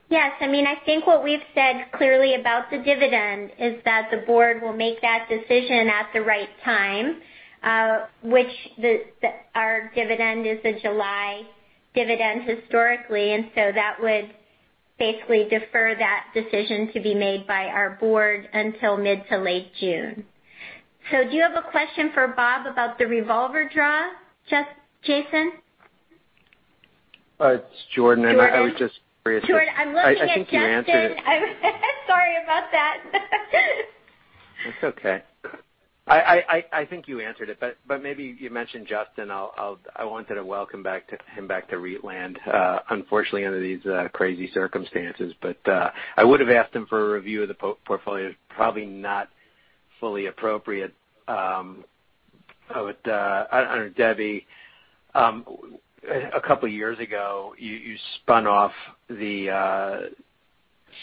Yes. I think what we've said clearly about the dividend is that the board will make that decision at the right time, which our dividend is the July dividend historically, and so that would basically defer that decision to be made by our board until mid to late June. Do you have a question for Bob about the revolver draw, Jason? It's Jordan. Jordan? I was just curious. Jordan, I'm looking at Justin. I think you answered it. Sorry about that. That's okay. I think you answered it, but maybe you mentioned Justin. I wanted to welcome him back to REIT land. Unfortunately, under these crazy circumstances. I would've asked him for a review of the portfolio. Probably not fully appropriate. Under Debbie, a couple of years ago, you spun off the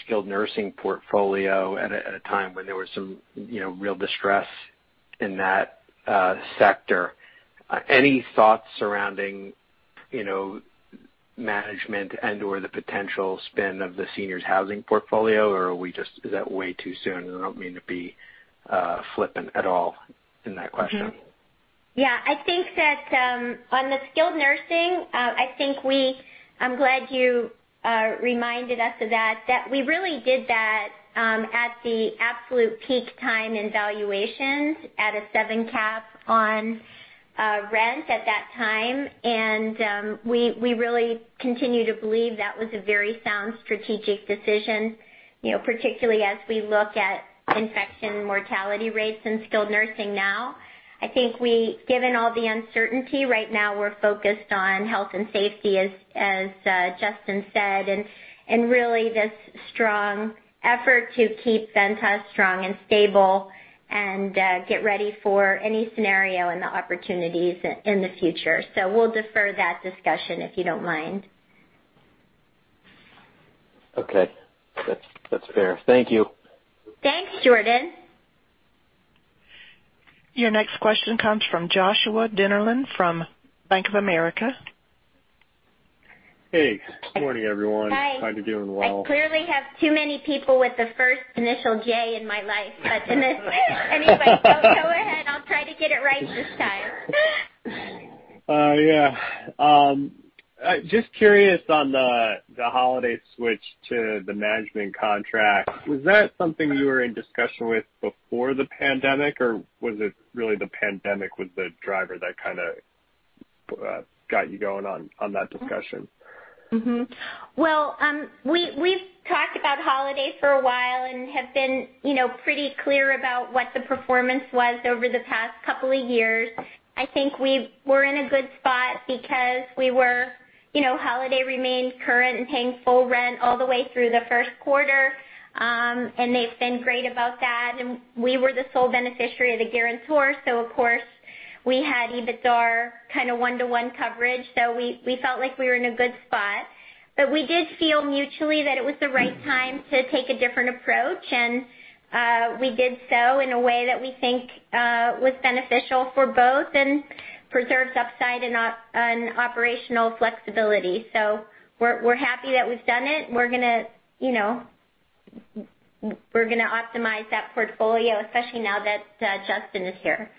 skilled nursing portfolio at a time when there was some real distress in that sector. Any thoughts surrounding management and/or the potential spin of the seniors housing portfolio, or is that way too soon? I don't mean to be flippant at all in that question. Yeah, I think that on the skilled nursing, I'm glad you reminded us of that we really did that at the absolute peak time in valuations at a seven cap on rent at that time. We really continue to believe that was a very sound strategic decision, particularly as we look at infection mortality rates in skilled nursing now. I think given all the uncertainty right now, we're focused on health and safety, as Justin said, and really this strong effort to keep Ventas strong and stable and get ready for any scenario and the opportunities in the future. We'll defer that discussion, if you don't mind. Okay. That's fair. Thank you. Thanks, Jordan. Your next question comes from Joshua Dennerlein from Bank of America. Hey. Good morning, everyone. Hi. How's it doing, well? I clearly have too many people with the first initial J in my life. Anyway, go ahead. I'll try to get it right this time. Yeah. Just curious on the Holiday switch to the management contract, was that something you were in discussion with before the pandemic, or was it really the pandemic was the driver that kind of got you going on that discussion? Well, we've talked about Holiday for a while and have been pretty clear about what the performance was over the past couple of years. I think we're in a good spot because Holiday remained current in paying full rent all the way through the first quarter, and they've been great about that. We were the sole beneficiary of the guarantor, so of course, we had EBITDA kind of one-to-one coverage. We felt like we were in a good spot, but we did feel mutually that it was the right time to take a different approach. We did so in a way that we think was beneficial for both and preserves upside and operational flexibility. We're happy that we've done it. We're going to optimize that portfolio, especially now that Justin is here.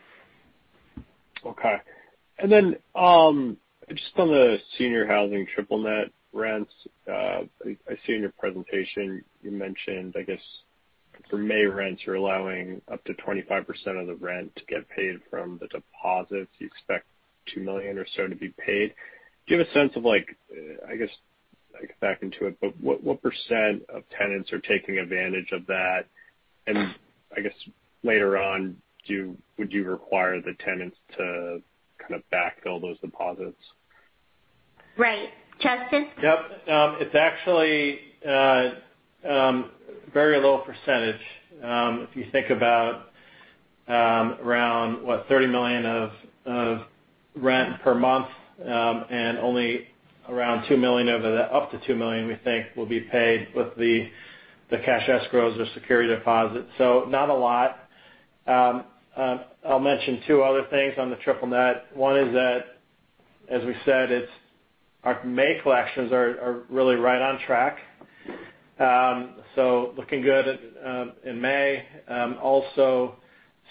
Okay. just on the senior housing triple net rents, I see in your presentation you mentioned, I guess for May rents, you're allowing up to 25% of the rent to get paid from the deposits. You expect $2 million or so to be paid. Do you have a sense of like, I guess, like, back into it, but what % of tenants are taking advantage of that? I guess later on, would you require the tenants to kind of back all those deposits? Right. Justin? Yep. It's actually a very low percentage. If you think about around, what, $30 million of rent per month, and only around $2 million of that, up to $2 million we think will be paid with the cash escrows or security deposits. Not a lot. I'll mention two other things on the triple net. One is that, as we said, our May collections are really right on track. Looking good in May. Also,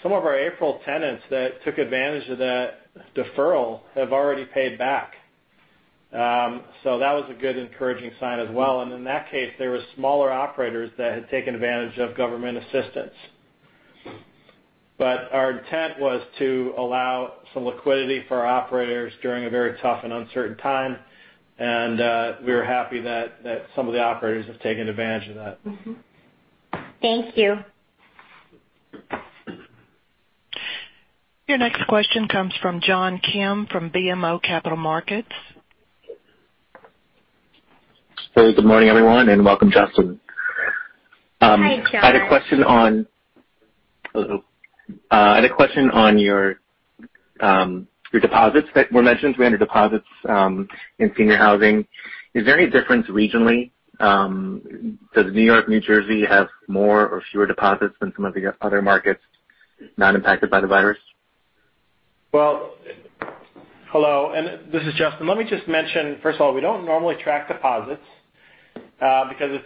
some of our April tenants that took advantage of that deferral have already paid back. That was a good encouraging sign as well. In that case, there were smaller operators that had taken advantage of government assistance. Our intent was to allow some liquidity for our operators during a very tough and uncertain time. We were happy that some of the operators have taken advantage of that. Thank you. Your next question comes from John Kim from BMO Capital Markets. Hey, good morning, everyone, and welcome, Justin. Hey, John. Hello. I had a question on your deposits that were mentioned, rent or deposits in senior housing. Is there any difference regionally? Does New York, New Jersey have more or fewer deposits than some of the other markets not impacted by the virus? Well, hello. This is Justin. Let me just mention, first of all, we don't normally track deposits because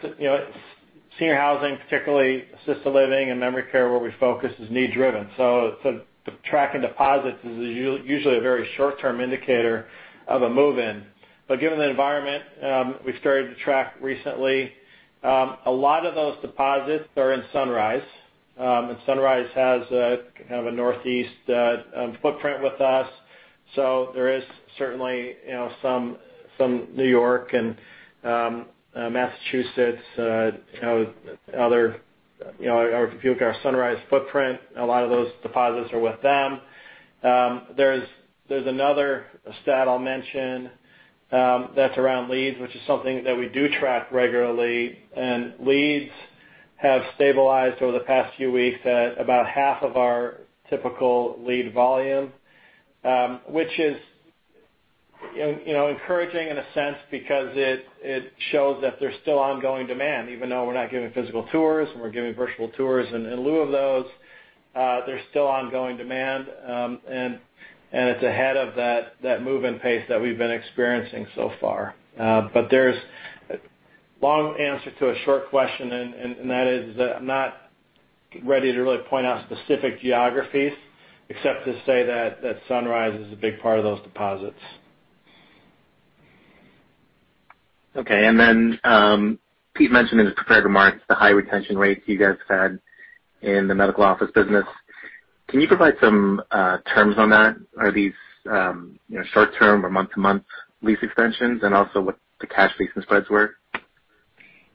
senior housing, particularly assisted living and memory care, where we focus, is need-driven. Tracking deposits is usually a very short-term indicator of a move-in. Given the environment, we've started to track recently. A lot of those deposits are in Sunrise, and Sunrise has kind of a Northeast footprint with us. There is certainly some New York and Massachusetts, if you look at our Sunrise footprint, a lot of those deposits are with them. There's another stat I'll mention that's around leads, which is something that we do track regularly. And leads have stabilized over the past few weeks at about half of our typical lead volume, which is encouraging in a sense because it shows that there's still ongoing demand, even though we're not giving physical tours, and we're giving virtual tours in lieu of those. There's still ongoing demand, and it's ahead of that move-in pace that we've been experiencing so far. There's a long answer to a short question, and that is that I'm not ready to really point out specific geographies except to say that Sunrise is a big part of those deposits. Okay. Pete mentioned in his prepared remarks the high retention rates you guys had in the medical office business. Can you provide some terms on that? Are these short-term or month-to-month lease extensions, and also what the cash leasing spreads were?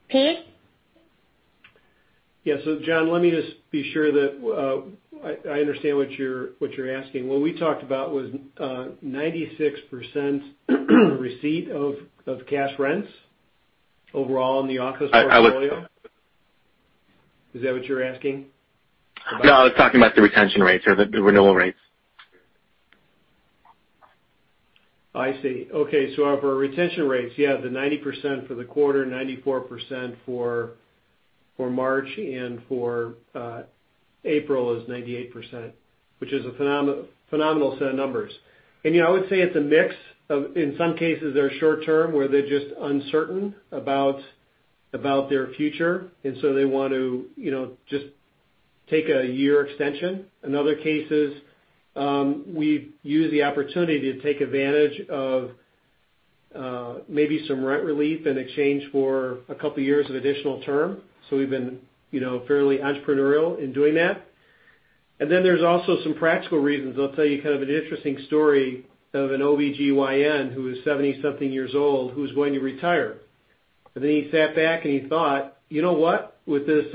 Pete? Yeah. John, let me just be sure that I understand what you're asking. What we talked about was 96% receipt of cash rents overall in the office portfolio. Is that what you're asking about? No, I was talking about the retention rates or the renewal rates. I see. Okay. For our retention rates, yeah, the 90% for the quarter, 94% for March, and for April is 98%, which is a phenomenal set of numbers. I would say it's a mix of, in some cases, they're short-term, where they're just uncertain about their future, and so they want to just take a year extension. In other cases, we've used the opportunity to take advantage of maybe some rent relief in exchange for a couple of years of additional term. We've been fairly entrepreneurial in doing that. There's also some practical reasons. I'll tell you kind of an interesting story of an OBGYN who is 70-something years old who's going to retire. He sat back, and he thought, "You know what? With this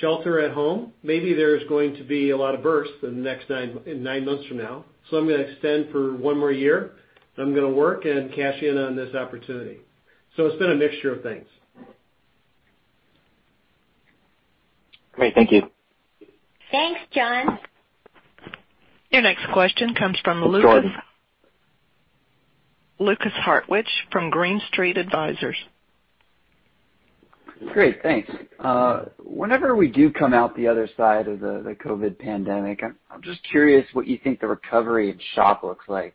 shelter at home, maybe there's going to be a lot of births in nine months from now. I'm going to extend for one more year, and I'm going to work and cash in on this opportunity. It's been a mixture of things. Great. Thank you. Thanks, John. Your next question comes from Lukas Hartwich from Green Street Advisors. Great. Thanks. Whenever we do come out the other side of the COVID pandemic, I'm just curious what you think the recovery in SHOP looks like.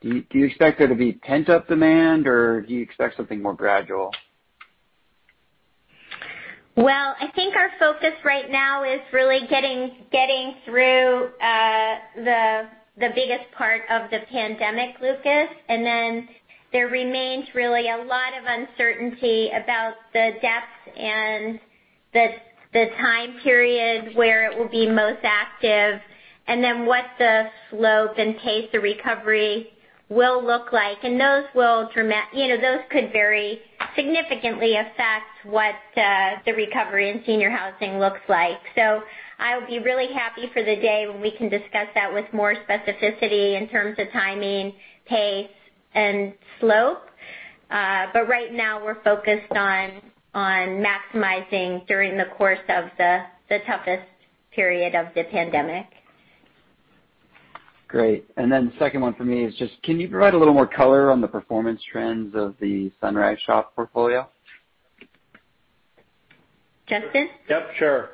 Do you expect there to be pent-up demand, or do you expect something more gradual? Well, I think our focus right now is really getting through the biggest part of the pandemic, Lukas. There remains really a lot of uncertainty about the depth and the time period where it will be most active and then what the slope and pace the recovery will look like. Those could very significantly affect what the recovery in senior housing looks like. I will be really happy for the day when we can discuss that with more specificity in terms of timing, pace, and slope. Right now, we're focused on maximizing during the course of the toughest period of the pandemic. Great. The second one for me is just can you provide a little more color on the performance trends of the Sunrise SHOP portfolio? Justin? Yep, sure.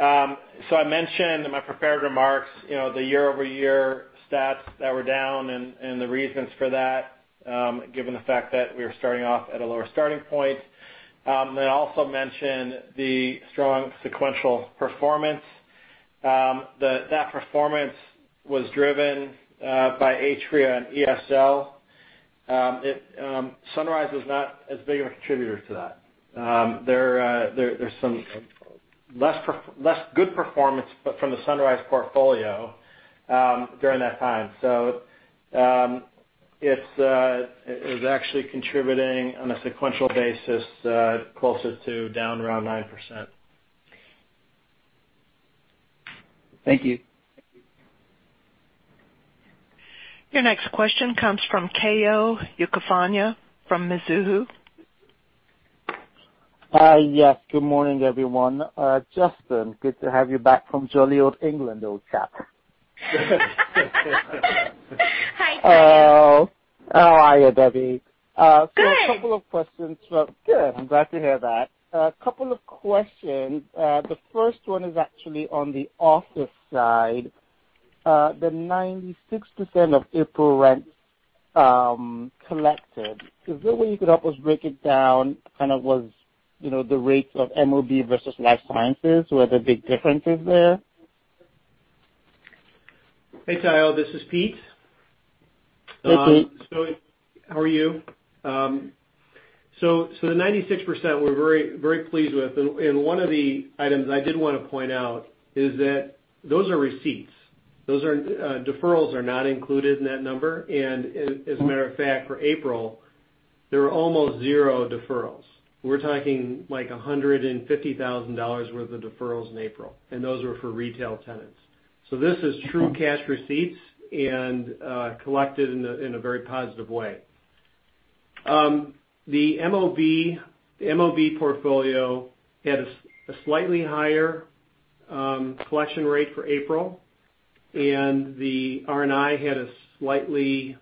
I mentioned in my prepared remarks the year-over-year stats that were down and the reasons for that, given the fact that we were starting off at a lower starting point. I also mentioned the strong sequential performance. That performance was driven by Atria and ESL. Sunrise was not as big of a contributor to that. There's some less good performance from the Sunrise portfolio during that time. It is actually contributing on a sequential basis closer to down around 9%. Thank you. Your next question comes from Tayo Okusanya from Mizuho. Hi. Yes. Good morning, everyone. Justin, good to have you back from jolly Old England, old chap. Hi, Tayo. How are you, Debbie? Good. A couple of questions. Well, I'm glad to hear that. A couple of questions. The first one is actually on the office side. The 96% of April rent collected, is there a way you could help us break it down, kind of what's the rates of MOB versus Life Sciences? Were there big differences there? Hey, Tayo. This is Pete. Hi, Pete. How are you? The 96%, we're very pleased with. One of the items I did want to point out is that those are receipts. Deferrals are not included in that number. As a matter of fact, for April, there were almost zero deferrals. We're talking like $150,000 worth of deferrals in April, and those were for retail tenants. This is true cash receipts and collected in a very positive way. The MOB portfolio had a slightly higher collection rate for April, and the R&I had a slightly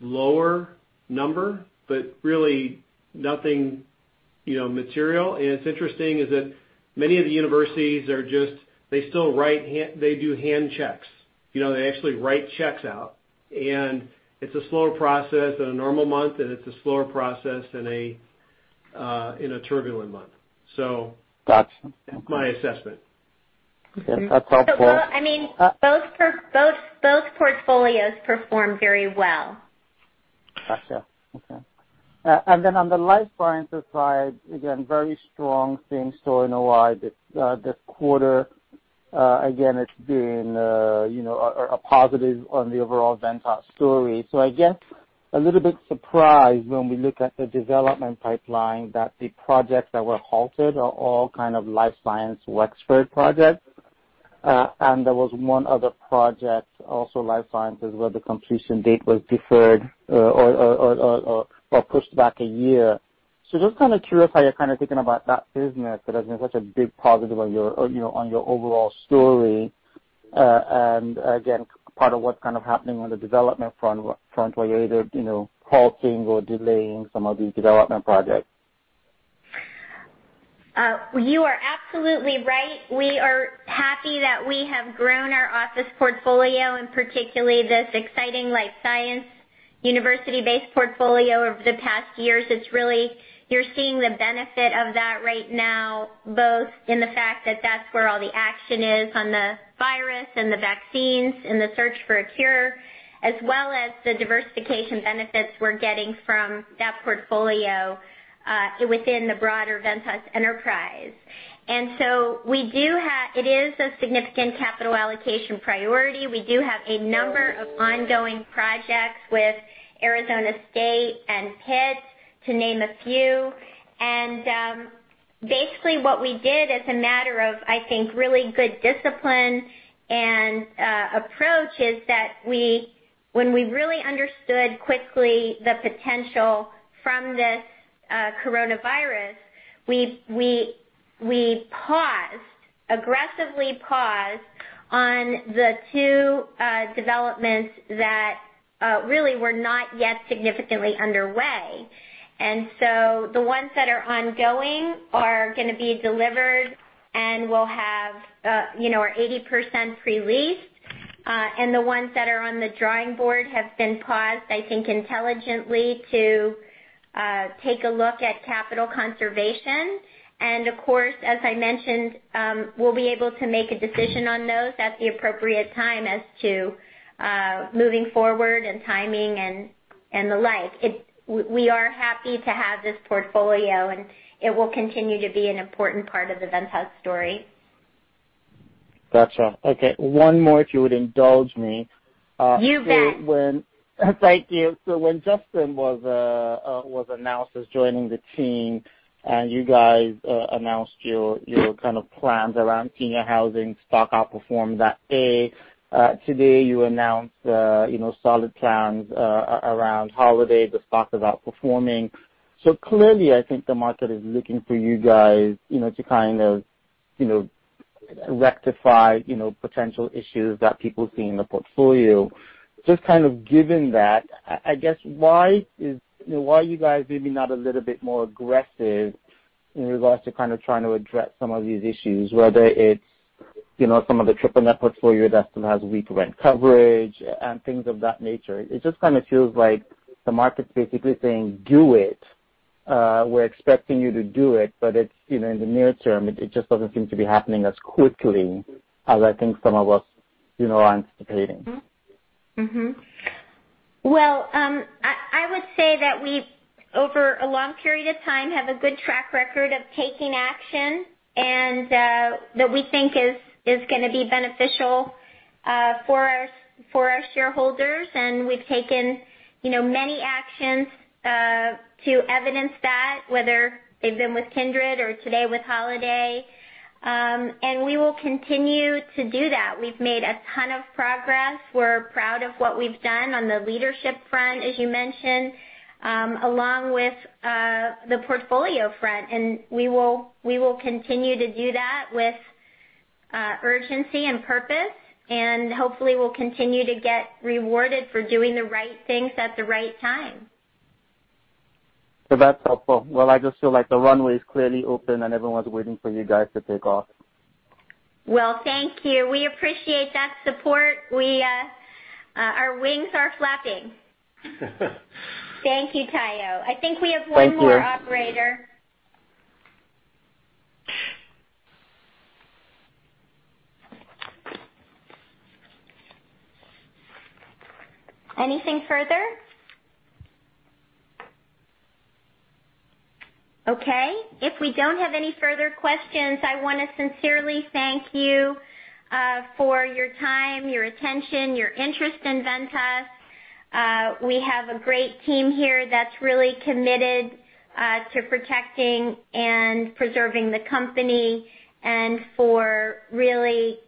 lower number, but really nothing material. It's interesting is that many of the universities, they do hand checks. They actually write checks out. It's a slower process on a normal month, and it's a slower process in a turbulent month. So, that's my assessment. Okay. That's helpful. I mean, both portfolios performed very well. Gotcha. Okay. On the life sciences side, again, very strong same story. This quarter, again, it's been a positive on the overall Ventas story. I guess a little bit surprised when we look at the development pipeline that the projects that were halted are all kind of life science Wexford projects. There was one other project, also life sciences, where the completion date was deferred or pushed back a year. Just kind of curious how you're kind of thinking about that business that has been such a big positive on your overall story. Again, part of what's kind of happening on the development front where you're either halting or delaying some of these development projects. You are absolutely right. We are happy that we have grown our office portfolio, and particularly this exciting life science university-based portfolio over the past years. You're seeing the benefit of that right now, both in the fact that that's where all the action is on the virus and the vaccines and the search for a cure, as well as the diversification benefits we're getting from that portfolio within the broader Ventas enterprise. It is a significant capital allocation priority. We do have a number of ongoing projects with Arizona State and Pitt, to name a few. Basically, what we did as a matter of, I think, really good discipline and approach is that when we really understood quickly the potential from this coronavirus, we paused, aggressively paused on the two developments that really were not yet significantly underway. The ones that are ongoing are going to be delivered, and we'll have our 80% pre-leased. The ones that are on the drawing board have been paused, I think, intelligently to take a look at capital conservation. Of course, as I mentioned, we'll be able to make a decision on those at the appropriate time as to moving forward and timing and the like. We are happy to have this portfolio, and it will continue to be an important part of the Ventas story. Got you. Okay. One more, if you would indulge me. You bet. Thank you. When Justin was announced as joining the team and you guys announced your kind of plans around senior housing, stock outperformed. That A. Today, you announced solid plans around Holiday, the stock is outperforming. Clearly, I think the market is looking for you guys to kind of rectify potential issues that people see in the portfolio. Just kind of given that, I guess why are you guys maybe not a little bit more aggressive in regards to kind of trying to address some of these issues, whether it's some of the triple net portfolio that still has weak rent coverage and things of that nature? It just kind of feels like the market's basically saying, do it. We're expecting you to do it, but in the near term, it just doesn't seem to be happening as quickly as I think some of us are anticipating. Well, I would say that we, over a long period of time, have a good track record of taking action and that we think is going to be beneficial for our shareholders. We've taken many actions to evidence that, whether they've been with Kindred or today with Holiday. We will continue to do that. We've made a ton of progress. We're proud of what we've done on the leadership front, as you mentioned, along with the portfolio front, and we will continue to do that with urgency and purpose, and hopefully we'll continue to get rewarded for doing the right things at the right time. That's helpful. Well, I just feel like the runway is clearly open and everyone's waiting for you guys to take off. Well, thank you. We appreciate that support. Our wings are flapping. Thank you, Tayo. I think we have one more operator. Thank you. Anything further? Okay. If we don't have any further questions, I want to sincerely thank you for your time, your attention, your interest in Ventas. We have a great team here that's really committed to protecting and preserving the company and for really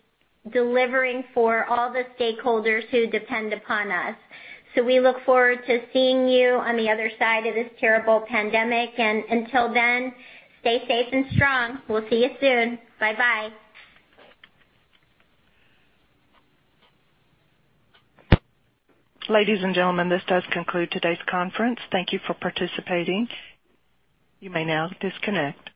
delivering for all the stakeholders who depend upon us. We look forward to seeing you on the other side of this terrible pandemic, and until then, stay safe and strong. We'll see you soon. Bye-bye. Ladies and gentlemen, this does conclude today's conference. Thank you for participating. You may now disconnect.